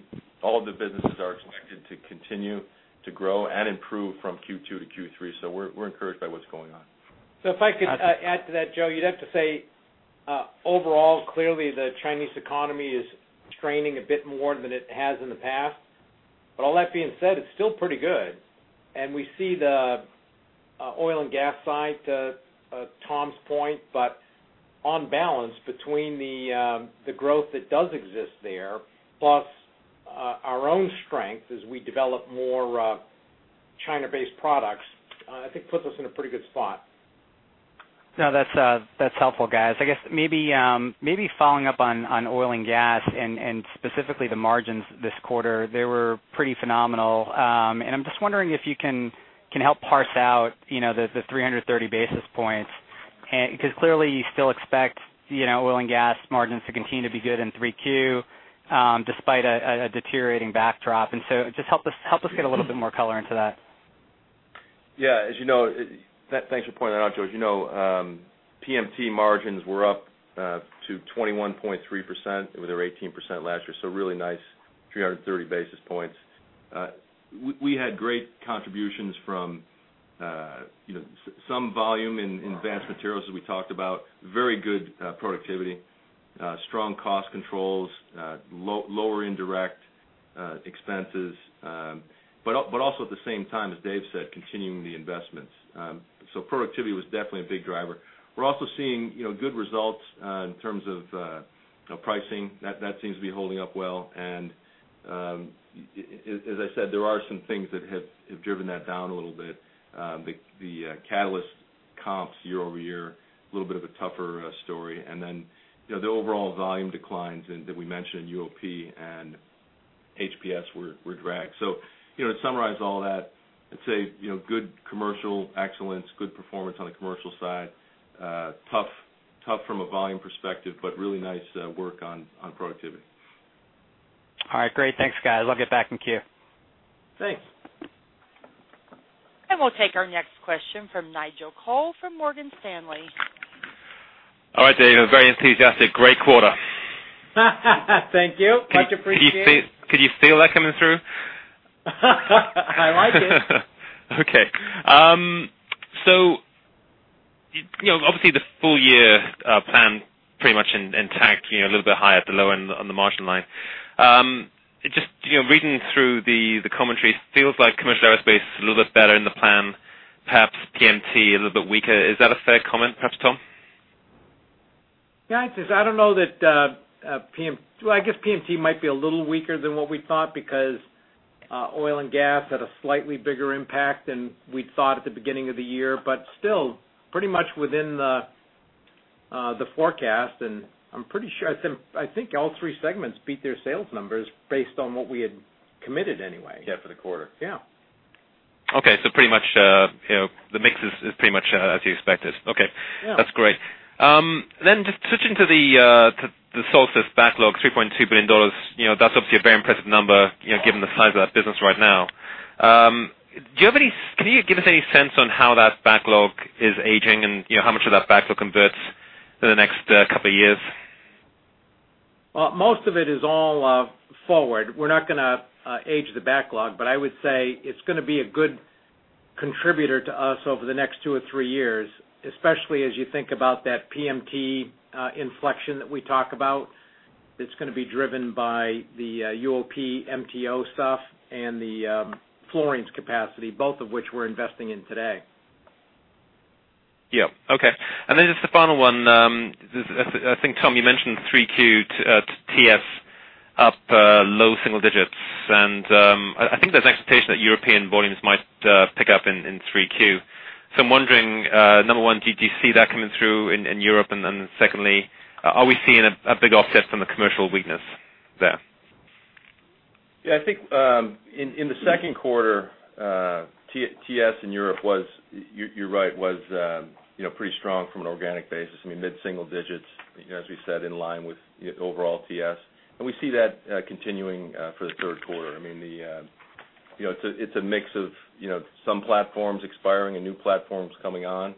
Speaker 4: businesses are expected to continue to grow and improve from Q2 to Q3, so we're encouraged by what's going on.
Speaker 3: If I could add to that, Joe, you'd have to say, overall, clearly the Chinese economy is straining a bit more than it has in the past. All that being said, it's still pretty good. We see the oil and gas side, Tom's point, on balance between the growth that does exist there, plus our own strength as we develop more China-based products, I think puts us in a pretty good spot.
Speaker 6: That's helpful, guys. I guess maybe following up on oil and gas and specifically the margins this quarter, they were pretty phenomenal. I'm just wondering if you can help parse out the 330 basis points. Clearly, you still expect oil and gas margins to continue to be good in 3Q, despite a deteriorating backdrop. Just help us get a little bit more color into that.
Speaker 4: Yeah. Thanks for pointing that out, Joe. As you know, PMT margins were up to 21.3%. They were 18% last year, so a really nice 330 basis points. We had great contributions from some volume in advanced materials, as we talked about. Very good productivity, strong cost controls, lower indirect expenses. Also at the same time, as Dave said, continuing the investments. Productivity was definitely a big driver. We're also seeing good results in terms of pricing. That seems to be holding up well, and as I said, there are some things that have driven that down a little bit. The catalyst comps year-over-year, a little bit of a tougher story. The overall volume declines that we mentioned in UOP and HPS were dragged. To summarize all that, I'd say good commercial excellence, good performance on the commercial side. Tough from a volume perspective, but really nice work on productivity.
Speaker 6: All right. Great. Thanks, guys. I'll get back in queue.
Speaker 3: Thanks.
Speaker 1: We'll take our next question from Nigel Coe from Morgan Stanley.
Speaker 7: All right, Dave, I'm very enthusiastic. Great quarter.
Speaker 3: Thank you. Much appreciated.
Speaker 7: Could you feel that coming through?
Speaker 3: I like it.
Speaker 7: Obviously the full year plan pretty much intact, a little bit higher at the low end on the margin line. Just reading through the commentary, it feels like Commercial Aerospace is a little bit better in the plan, perhaps PMT a little bit weaker. Is that a fair comment, perhaps, Tom?
Speaker 4: Yeah, I guess PMT might be a little weaker than what we thought because oil and gas had a slightly bigger impact than we'd thought at the beginning of the year. Still, pretty much within the forecast, and I'm pretty sure I think all three segments beat their sales numbers based on what we had committed anyway. Yeah, for the quarter. Yeah.
Speaker 7: Okay. The mix is pretty much as you expected. Okay.
Speaker 4: Yeah. That's great. Just switching to the Solstice backlog, $3.2 billion, that's obviously a very impressive number given the size of that business right now. Can you give us any sense on how that backlog is aging and how much of that backlog converts in the next couple of years?
Speaker 3: Most of it is all forward. We're not going to age the backlog, but I would say it's going to be a good contributor to us over the next two or three years, especially as you think about that PMT inflection that we talk about. It's going to be driven by the UOP MTO stuff and the fluorines capacity, both of which we're investing in today.
Speaker 7: Yeah. Okay. Just the final one. I think, Tom, you mentioned 3Q TS up low single digits, I think there's an expectation that European volumes might pick up in 3Q. I'm wondering, number one, did you see that coming through in Europe? Secondly, are we seeing a big offset from the commercial weakness there?
Speaker 4: Yeah, I think in the second quarter, TS in Europe was, you're right, pretty strong from an organic basis. Mid-single digits, as we said, in line with overall TS. We see that continuing for the third quarter. It's a mix of some platforms expiring and new platforms coming on.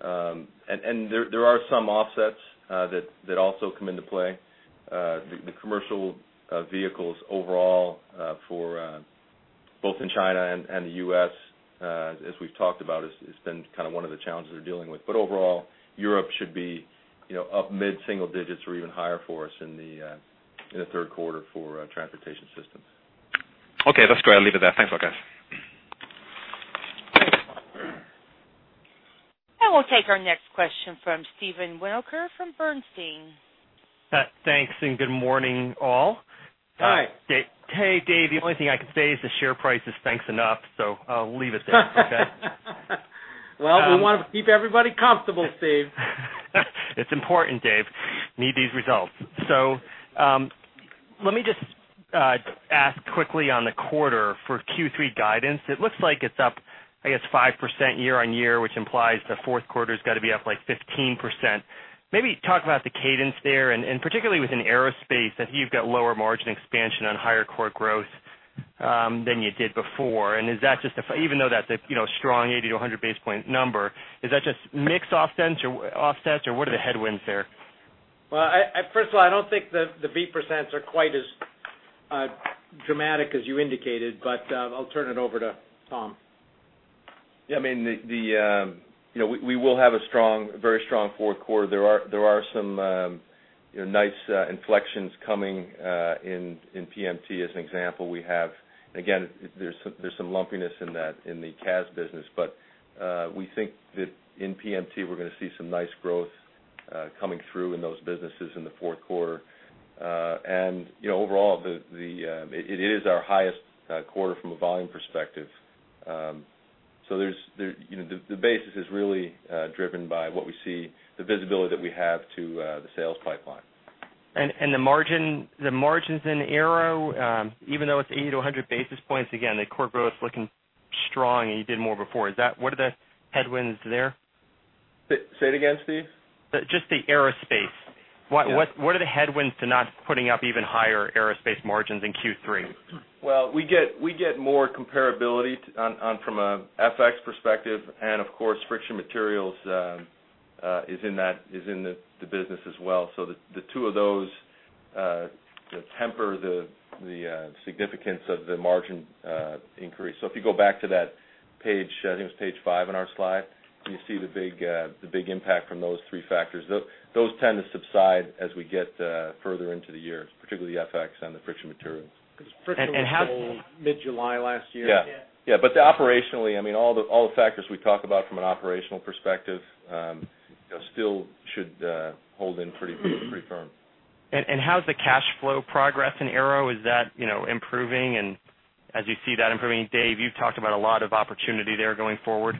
Speaker 4: There are some offsets that also come into play. The commercial vehicles overall, both in China and the U.S., as we've talked about, has been kind of one of the challenges we're dealing with. Overall, Europe should be up mid-single digits or even higher for us in the third quarter for transportation systems.
Speaker 7: Okay, that's great. I'll leave it there. Thanks a lot, guys.
Speaker 3: Thanks.
Speaker 1: We'll take our next question from Steven Winoker from Bernstein.
Speaker 8: Thanks, good morning, all.
Speaker 3: Hi.
Speaker 8: Hey, Dave, the only thing I can say is the share price is thanks enough, so I'll leave it there, okay?
Speaker 3: Well, we want to keep everybody comfortable, Steve.
Speaker 8: It's important, Dave. Need these results. Let me just ask quickly on the quarter for Q3 guidance. It looks like it's up, I guess, 5% year-on-year, which implies the fourth quarter's got to be up like 15%. Maybe talk about the cadence there, and particularly within Aerospace, that you've got lower margin expansion on higher core growth than you did before. Even though that's a strong 80-100 basis point number, is that just mix offsets, or what are the headwinds there?
Speaker 3: Well, first of all, I don't think the beat percents are quite as dramatic as you indicated, but I'll turn it over to Tom.
Speaker 4: Yeah. We will have a very strong fourth quarter. There are some nice inflections coming in PMT as an example. Again, there's some lumpiness in the CAS business. We think that in PMT, we're going to see some nice growth coming through in those businesses in the fourth quarter. Overall, it is our highest quarter from a volume perspective. The basis is really driven by what we see, the visibility that we have to the sales pipeline.
Speaker 8: The margins in Aero, even though it's 80-100 basis points, again, the core growth's looking strong, and you did more before. What are the headwinds there?
Speaker 4: Say it again, Steve?
Speaker 8: Just the Aerospace.
Speaker 4: Yeah.
Speaker 8: What are the headwinds to not putting up even higher Aerospace margins in Q3?
Speaker 4: Well, we get more comparability from a FX perspective, of course, friction materials is in the business as well. The two of those temper the significance of the margin increase. If you go back to that page, I think it was page five in our slide, you see the big impact from those three factors. Those tend to subside as we get further into the year, particularly FX and the friction materials.
Speaker 3: Because friction was.
Speaker 8: How's the.
Speaker 3: mid-July last year.
Speaker 4: Yeah.
Speaker 3: Yeah. Yeah, operationally, all the factors we talk about from an operational perspective still should hold in pretty firm.
Speaker 8: How's the cash flow progress in Aero? Is that improving? As you see that improving, Dave, you've talked about a lot of opportunity there going forward.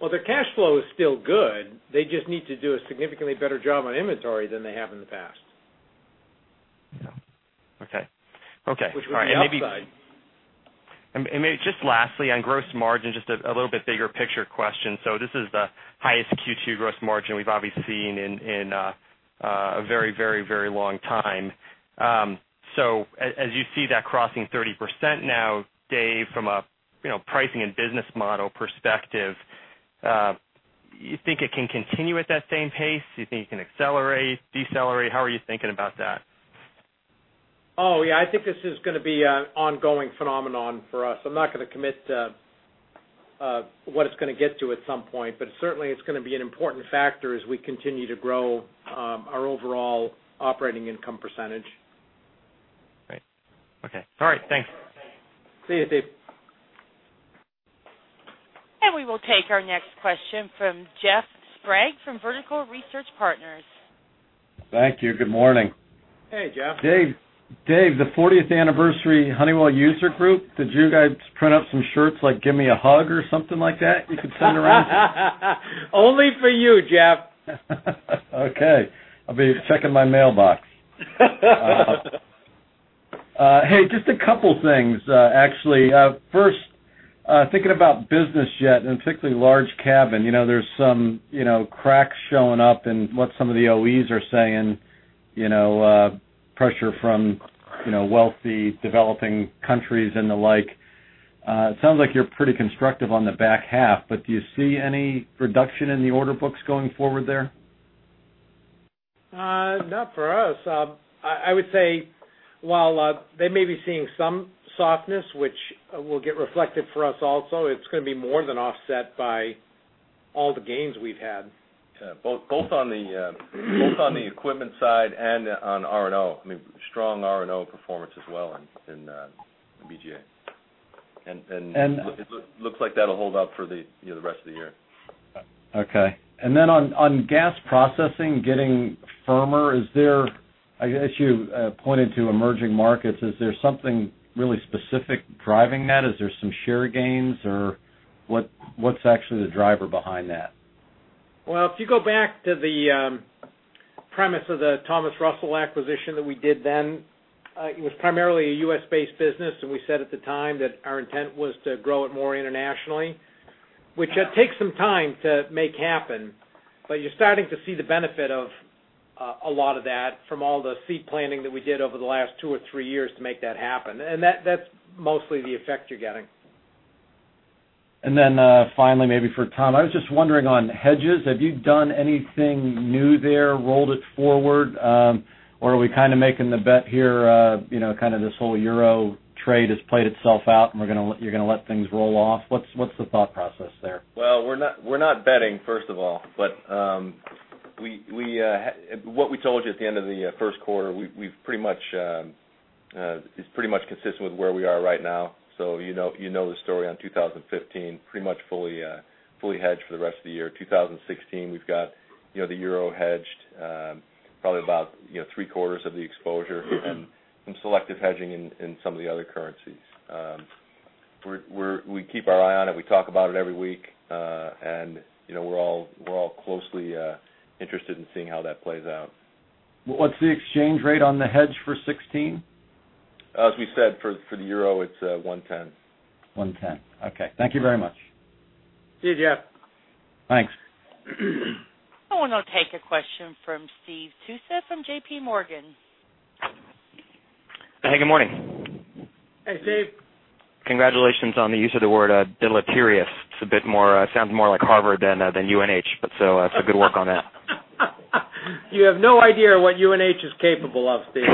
Speaker 3: Well, their cash flow is still good. They just need to do a significantly better job on inventory than they have in the past.
Speaker 8: Yeah. Okay.
Speaker 3: Which would be upside.
Speaker 8: Maybe just lastly, on gross margin, just a little bit bigger picture question. This is the highest Q2 gross margin we've obviously seen in a very long time. As you see that crossing 30% now, Dave, from a pricing and business model perspective, you think it can continue at that same pace? Do you think it can accelerate, decelerate? How are you thinking about that?
Speaker 3: Oh, yeah. I think this is going to be an ongoing phenomenon for us. I'm not going to commit to what it's going to get to at some point. Certainly, it's going to be an important factor as we continue to grow our overall operating income percentage.
Speaker 8: Great. Okay. All right. Thanks.
Speaker 3: See you, Steve.
Speaker 1: We will take our next question from Jeff Sprague from Vertical Research Partners.
Speaker 9: Thank you. Good morning.
Speaker 3: Hey, Jeff.
Speaker 9: Dave, the 40th anniversary Honeywell User Group, did you guys print up some shirts, like give me a hug or something like that you could send around?
Speaker 3: Only for you, Jeff.
Speaker 9: Okay. I'll be checking my mailbox. Hey, just a couple things, actually. First, thinking about business jet and particularly large cabin, there's some cracks showing up in what some of the OEs are saying, pressure from wealthy developing countries and the like. It sounds like you're pretty constructive on the back half, do you see any reduction in the order books going forward there?
Speaker 3: Not for us. I would say while they may be seeing some softness, which will get reflected for us also, it's going to be more than offset by all the gains we've had.
Speaker 4: Both on the equipment side and on R&O. I mean, strong R&O performance as well in BGA. It looks like that'll hold up for the rest of the year.
Speaker 9: Okay. On gas processing getting firmer, I guess you pointed to emerging markets, is there something really specific driving that? Is there some share gains or what's actually the driver behind that?
Speaker 3: Well, if you go back to the premise of the Thomas Russell acquisition that we did then, it was primarily a U.S.-based business. We said at the time that our intent was to grow it more internationally, which takes some time to make happen. You're starting to see the benefit of a lot of that from all the seed planting that we did over the last two or three years to make that happen. That's mostly the effect you're getting.
Speaker 9: Finally, maybe for Tom, I was just wondering on hedges, have you done anything new there, rolled it forward? Or are we kind of making the bet here, kind of this whole euro trade has played itself out, and you're going to let things roll off? What's the thought process there?
Speaker 4: We're not betting, first of all. What we told you at the end of the first quarter, is pretty much consistent with where we are right now. You know the story on 2015, pretty much fully hedged for the rest of the year. 2016, we've got the euro hedged, probably about three-quarters of the exposure and some selective hedging in some of the other currencies. We keep our eye on it. We talk about it every week. We're all closely interested in seeing how that plays out.
Speaker 9: What's the exchange rate on the hedge for 2016?
Speaker 4: As we said, for the euro, it's 110.
Speaker 9: 110. Okay. Thank you very much.
Speaker 3: See you, Jeff.
Speaker 9: Thanks.
Speaker 1: I want to take a question from Steve Tusa from J.P. Morgan.
Speaker 10: Hey, good morning.
Speaker 3: Hey, Steve.
Speaker 10: Congratulations on the use of the word deleterious. It sounds more like Harvard than UNH, but so good work on that.
Speaker 3: You have no idea what UNH is capable of, Steve.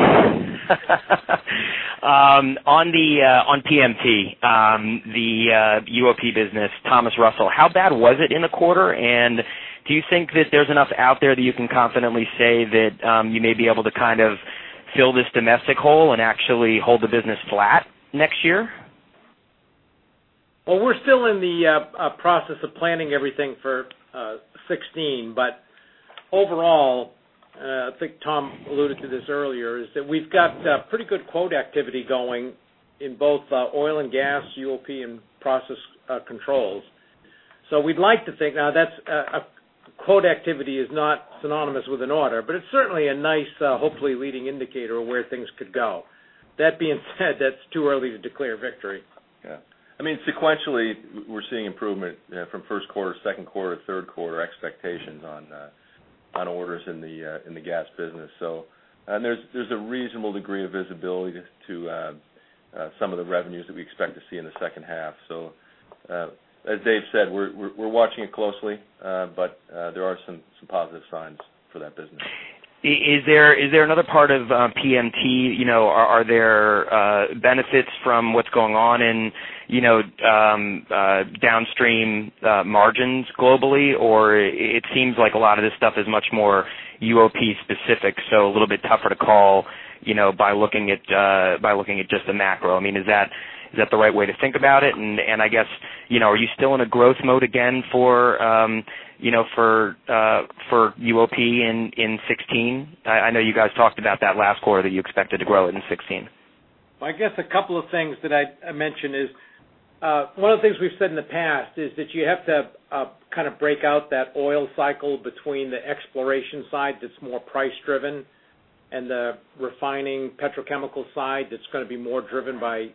Speaker 10: On PMT, the UOP business, Thomas Russell, how bad was it in the quarter? Do you think that there's enough out there that you can confidently say that you may be able to kind of fill this domestic hole and actually hold the business flat next year?
Speaker 3: We're still in the process of planning everything for 2016. Overall, I think Tom alluded to this earlier, is that we've got pretty good quote activity going in both oil and gas, UOP, and process controls. We'd like to think now that quote activity is not synonymous with an order, but it's certainly a nice, hopefully leading indicator of where things could go. That being said, that's too early to declare victory.
Speaker 4: Yeah. I mean, sequentially, we're seeing improvement from first quarter, second quarter, third quarter expectations on orders in the gas business. There's a reasonable degree of visibility to some of the revenues that we expect to see in the second half. As Dave said, we're watching it closely, but there are some positive signs for that business.
Speaker 10: Is there another part of PMT, are there benefits from what's going on in downstream margins globally, or it seems like a lot of this stuff is much more UOP specific, so a little bit tougher to call by looking at just the macro. I mean, is that the right way to think about it? I guess, are you still in a growth mode again for UOP in 2016? I know you guys talked about that last quarter, that you expected to grow it in 2016.
Speaker 3: Well, I guess a couple of things that I'd mention is, one of the things we've said in the past is that you have to kind of break out that oil cycle between the exploration side that's more price-driven and the refining petrochemical side that's going to be more driven by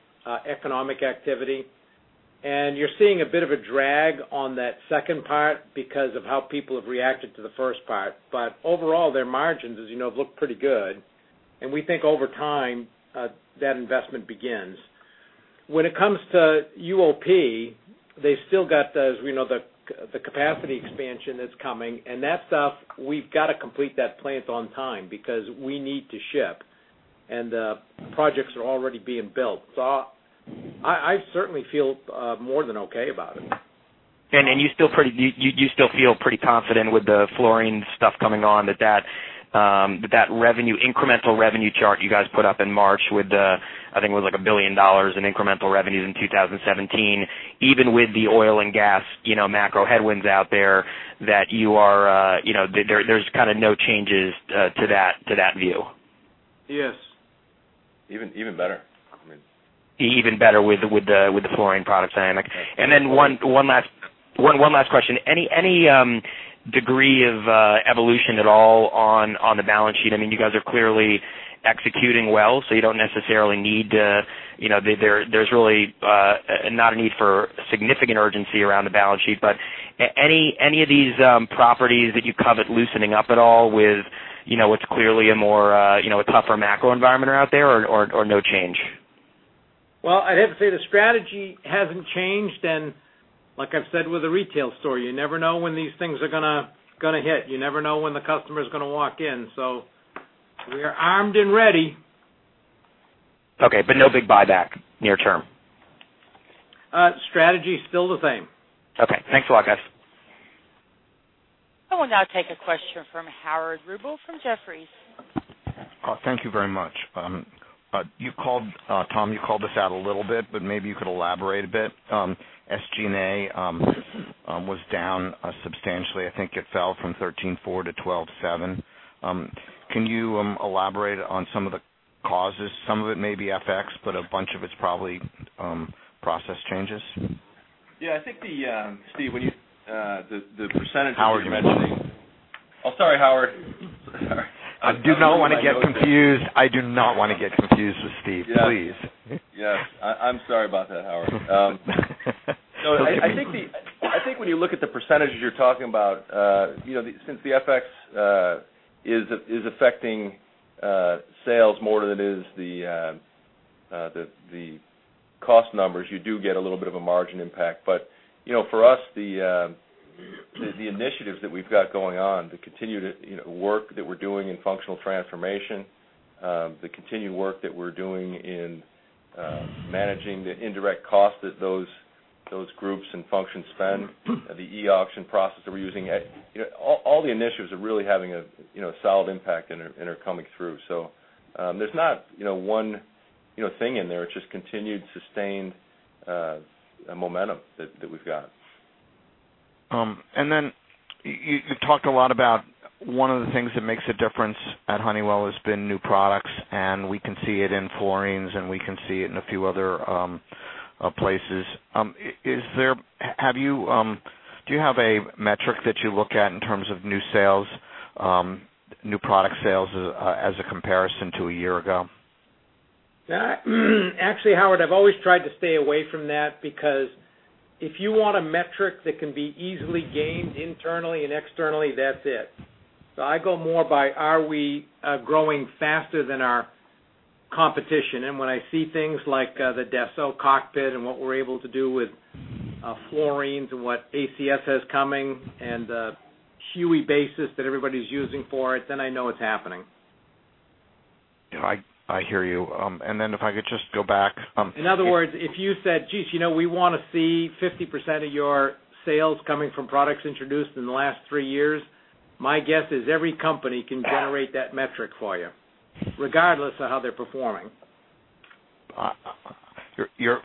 Speaker 3: economic activity. You're seeing a bit of a drag on that second part because of how people have reacted to the first part. Overall, their margins, as you know, have looked pretty good. We think over time, that investment begins. When it comes to UOP, they've still got the capacity expansion that's coming, and that stuff, we've got to complete that plant on time because we need to ship, and projects are already being built. I certainly feel more than okay about it.
Speaker 10: You still feel pretty confident with the fluorine stuff coming on, that incremental revenue chart you guys put up in March with, I think it was $1 billion in incremental revenues in 2017, even with the oil and gas macro headwinds out there, that there's no changes to that view?
Speaker 3: Yes.
Speaker 4: Even better.
Speaker 10: Even better with the fluorine products.
Speaker 4: Yes.
Speaker 10: One last question. Any degree of evolution at all on the balance sheet? You guys are clearly executing well, so there's really not a need for significant urgency around the balance sheet, but any of these properties that you covet loosening up at all with what's clearly a tougher macro environment out there, or no change?
Speaker 3: Well, I'd have to say the strategy hasn't changed, and like I've said with the retail story, you never know when these things are going to hit. You never know when the customer's going to walk in. We are armed and ready.
Speaker 10: Okay, no big buyback near term.
Speaker 3: Strategy's still the same.
Speaker 10: Okay. Thanks a lot, guys.
Speaker 1: I will now take a question from Howard Rubel from Jefferies.
Speaker 11: Thank you very much. Tom, you called this out a little bit, but maybe you could elaborate a bit. SG&A was down substantially. I think it fell from 13.4% to 12.7%. Can you elaborate on some of the causes? Some of it may be FX, but a bunch of it's probably process changes.
Speaker 4: Yeah, I think, Steve, when the percentages you're mentioning. Howard Rubel. Oh, sorry, Howard.
Speaker 11: I do not want to get confused with Steve, please.
Speaker 4: Yes. I'm sorry about that, Howard.
Speaker 11: Okay.
Speaker 4: I think when you look at the percentages you're talking about, since the FX is affecting sales more than it is the cost numbers, you do get a little bit of a margin impact. For us, the initiatives that we've got going on, the continued work that we're doing in functional transformation, the continued work that we're doing in managing the indirect cost that those groups and functions spend, the e-auction process that we're using. All the initiatives are really having a solid impact and are coming through. There's not one thing in there. It's just continued, sustained momentum that we've got.
Speaker 11: You've talked a lot about one of the things that makes a difference at Honeywell has been new products, and we can see it in fluorines, and we can see it in a few other places. Do you have a metric that you look at in terms of new product sales as a comparison to a year ago?
Speaker 3: Actually, Howard, I've always tried to stay away from that, because if you want a metric that can be easily gained internally and externally, that's it. I go more by are we growing faster than our competition? When I see things like the Dassault cockpit and what we're able to do with fluorines and what ACS has coming and the HUE basis that everybody's using for it, then I know it's happening.
Speaker 11: I hear you. If I could just go back.
Speaker 3: In other words, if you said, geez, we want to see 50% of your sales coming from products introduced in the last three years, my guess is every company can generate that metric for you, regardless of how they're performing.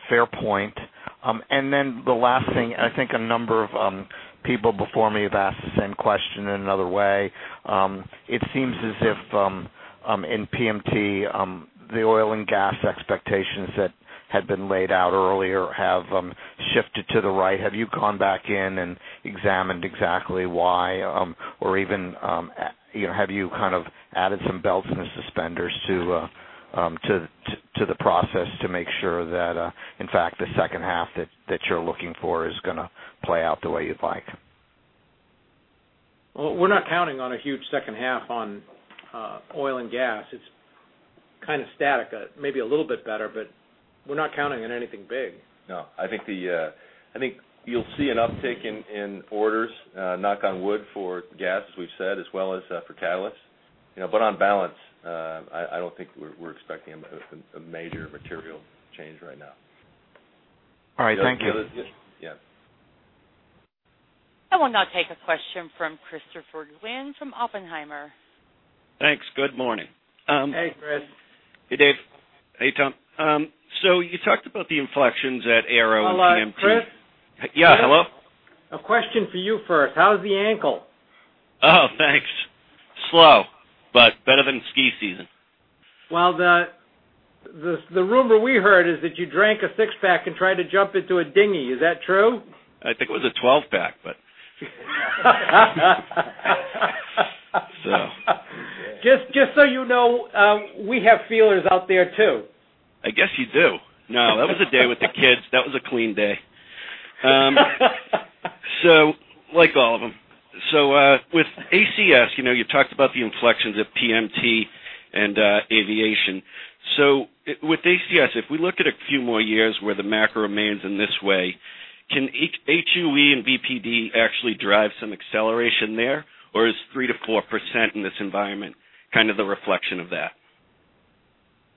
Speaker 11: Fair point. The last thing, I think a number of people before me have asked the same question in another way. It seems as if in PMT, the oil and gas expectations that had been laid out earlier have shifted to the right. Have you gone back in and examined exactly why? Or even, have you added some belts in the suspenders to the process to make sure that, in fact, the second half that you're looking for is going to play out the way you'd like?
Speaker 3: Well, we're not counting on a huge second half on oil and gas. It's kind of static. Maybe a little bit better, we're not counting on anything big.
Speaker 4: No, I think you'll see an uptick in orders, knock on wood, for gas, as we've said, as well as for catalysts. On balance, I don't think we're expecting a major material change right now.
Speaker 11: All right. Thank you.
Speaker 4: Yes.
Speaker 1: I will now take a question from Christopher Glynn from Oppenheimer.
Speaker 12: Thanks. Good morning.
Speaker 3: Hey, Chris.
Speaker 12: Hey, Dave. Hey, Tom. You talked about the inflections at Aero and PMT.
Speaker 3: Hello, Chris?
Speaker 12: Yeah. Hello.
Speaker 3: A question for you first. How's the ankle?
Speaker 12: Oh, thanks. Slow, but better than ski season.
Speaker 3: Well, the rumor we heard is that you drank a six-pack and tried to jump into a dinghy. Is that true?
Speaker 12: I think it was a 12-pack.
Speaker 3: Just so you know, we have feelers out there, too.
Speaker 12: I guess you do. No, that was a day with the kids. That was a clean day. Like all of them. With ACS, you've talked about the inflections at PMT and aviation. With ACS, if we look at a few more years where the macro remains in this way, can HUE and VPD actually drive some acceleration there? Or is 3%-4% in this environment kind of the reflection of that?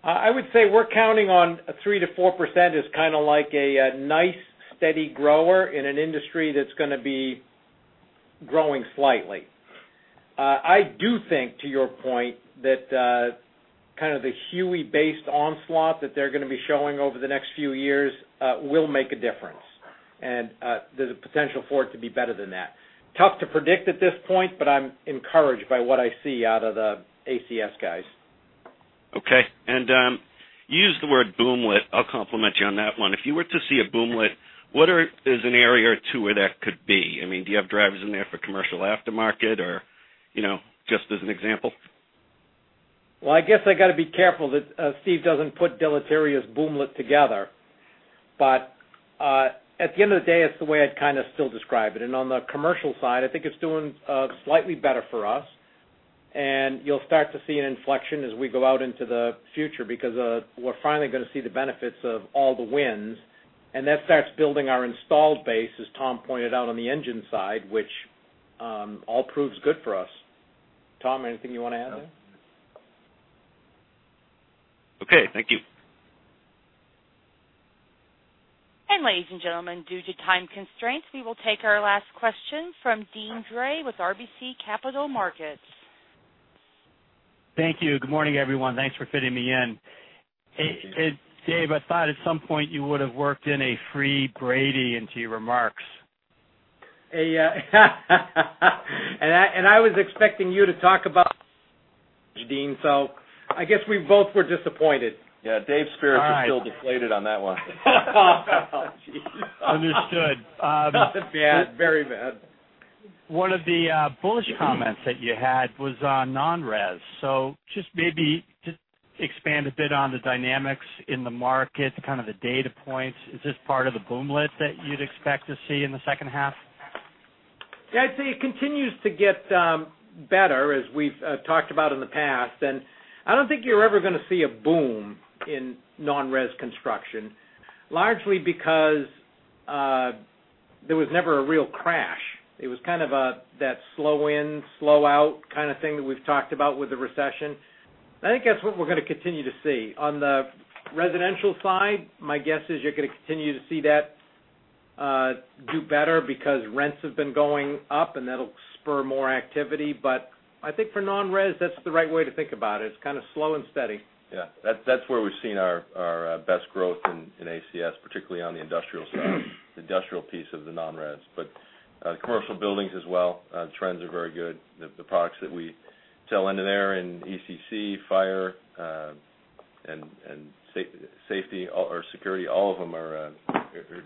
Speaker 3: I would say we're counting on 3%-4% is kind of like a nice, steady grower in an industry that's going to be growing slightly. I do think, to your point, that kind of the HUE-based onslaught that they're going to be showing over the next few years will make a difference, and there's a potential for it to be better than that. Tough to predict at this point, but I'm encouraged by what I see out of the ACS guys.
Speaker 12: Okay. You used the word boomlet. I will compliment you on that one. If you were to see a boomlet, what is an area or two where that could be? Do you have drivers in there for commercial aftermarket or just as an example?
Speaker 3: Well, I guess I got to be careful that Steve doesn't put deleterious boomlet together. At the end of the day, it's the way I'd kind of still describe it. On the commercial side, I think it's doing slightly better for us. You will start to see an inflection as we go out into the future because we're finally going to see the benefits of all the wins. That starts building our installed base, as Tom pointed out on the engine side, which all proves good for us. Tom, anything you want to add there?
Speaker 12: Okay, thank you.
Speaker 1: Ladies and gentlemen, due to time constraints, we will take our last question from Deane Dray with RBC Capital Markets.
Speaker 13: Thank you. Good morning, everyone. Thanks for fitting me in.
Speaker 3: Thank you.
Speaker 13: Dave, I thought at some point you would have worked in a free Brady into your remarks.
Speaker 3: I was expecting you to talk about Deane, so I guess we both were disappointed.
Speaker 4: Yeah, Dave's spirits are still deflated on that one.
Speaker 3: Oh, geez.
Speaker 13: Understood.
Speaker 3: Bad, very bad.
Speaker 13: One of the bullish comments that you had was on non-res. Just maybe just expand a bit on the dynamics in the market, kind of the data points. Is this part of the boomlet that you'd expect to see in the second half?
Speaker 3: Yeah, I'd say it continues to get better, as we've talked about in the past. I don't think you're ever going to see a boom in non-res construction, largely because there was never a real crash. It was kind of that slow in, slow out kind of thing that we've talked about with the recession. I think that's what we're going to continue to see. On the residential side, my guess is you're going to continue to see that do better because rents have been going up, and that'll spur more activity. I think for non-res, that's the right way to think about it. It's kind of slow and steady.
Speaker 4: Yeah. That's where we've seen our best growth in ACS, particularly on the industrial side, the industrial piece of the non-res. Commercial buildings as well, trends are very good. The products that we sell into there in ECS, fire, and security, all of them are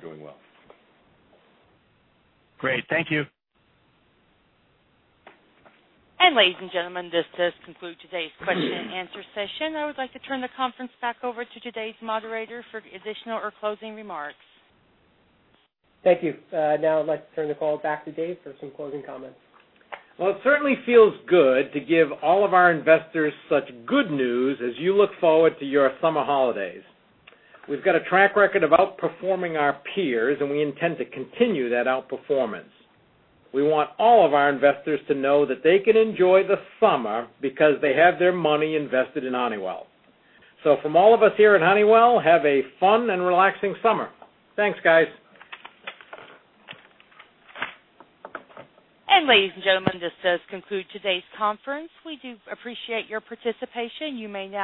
Speaker 4: doing well.
Speaker 13: Great. Thank you.
Speaker 1: Ladies and gentlemen, this does conclude today's question and answer session. I would like to turn the conference back over to today's moderator for additional or closing remarks.
Speaker 2: Thank you. I'd like to turn the call back to Dave for some closing comments.
Speaker 3: Well, it certainly feels good to give all of our investors such good news as you look forward to your summer holidays. We've got a track record of outperforming our peers. We intend to continue that outperformance. We want all of our investors to know that they can enjoy the summer because they have their money invested in Honeywell. From all of us here at Honeywell, have a fun and relaxing summer. Thanks, guys.
Speaker 1: Ladies and gentlemen, this does conclude today's conference. We do appreciate your participation. You may now disconnect.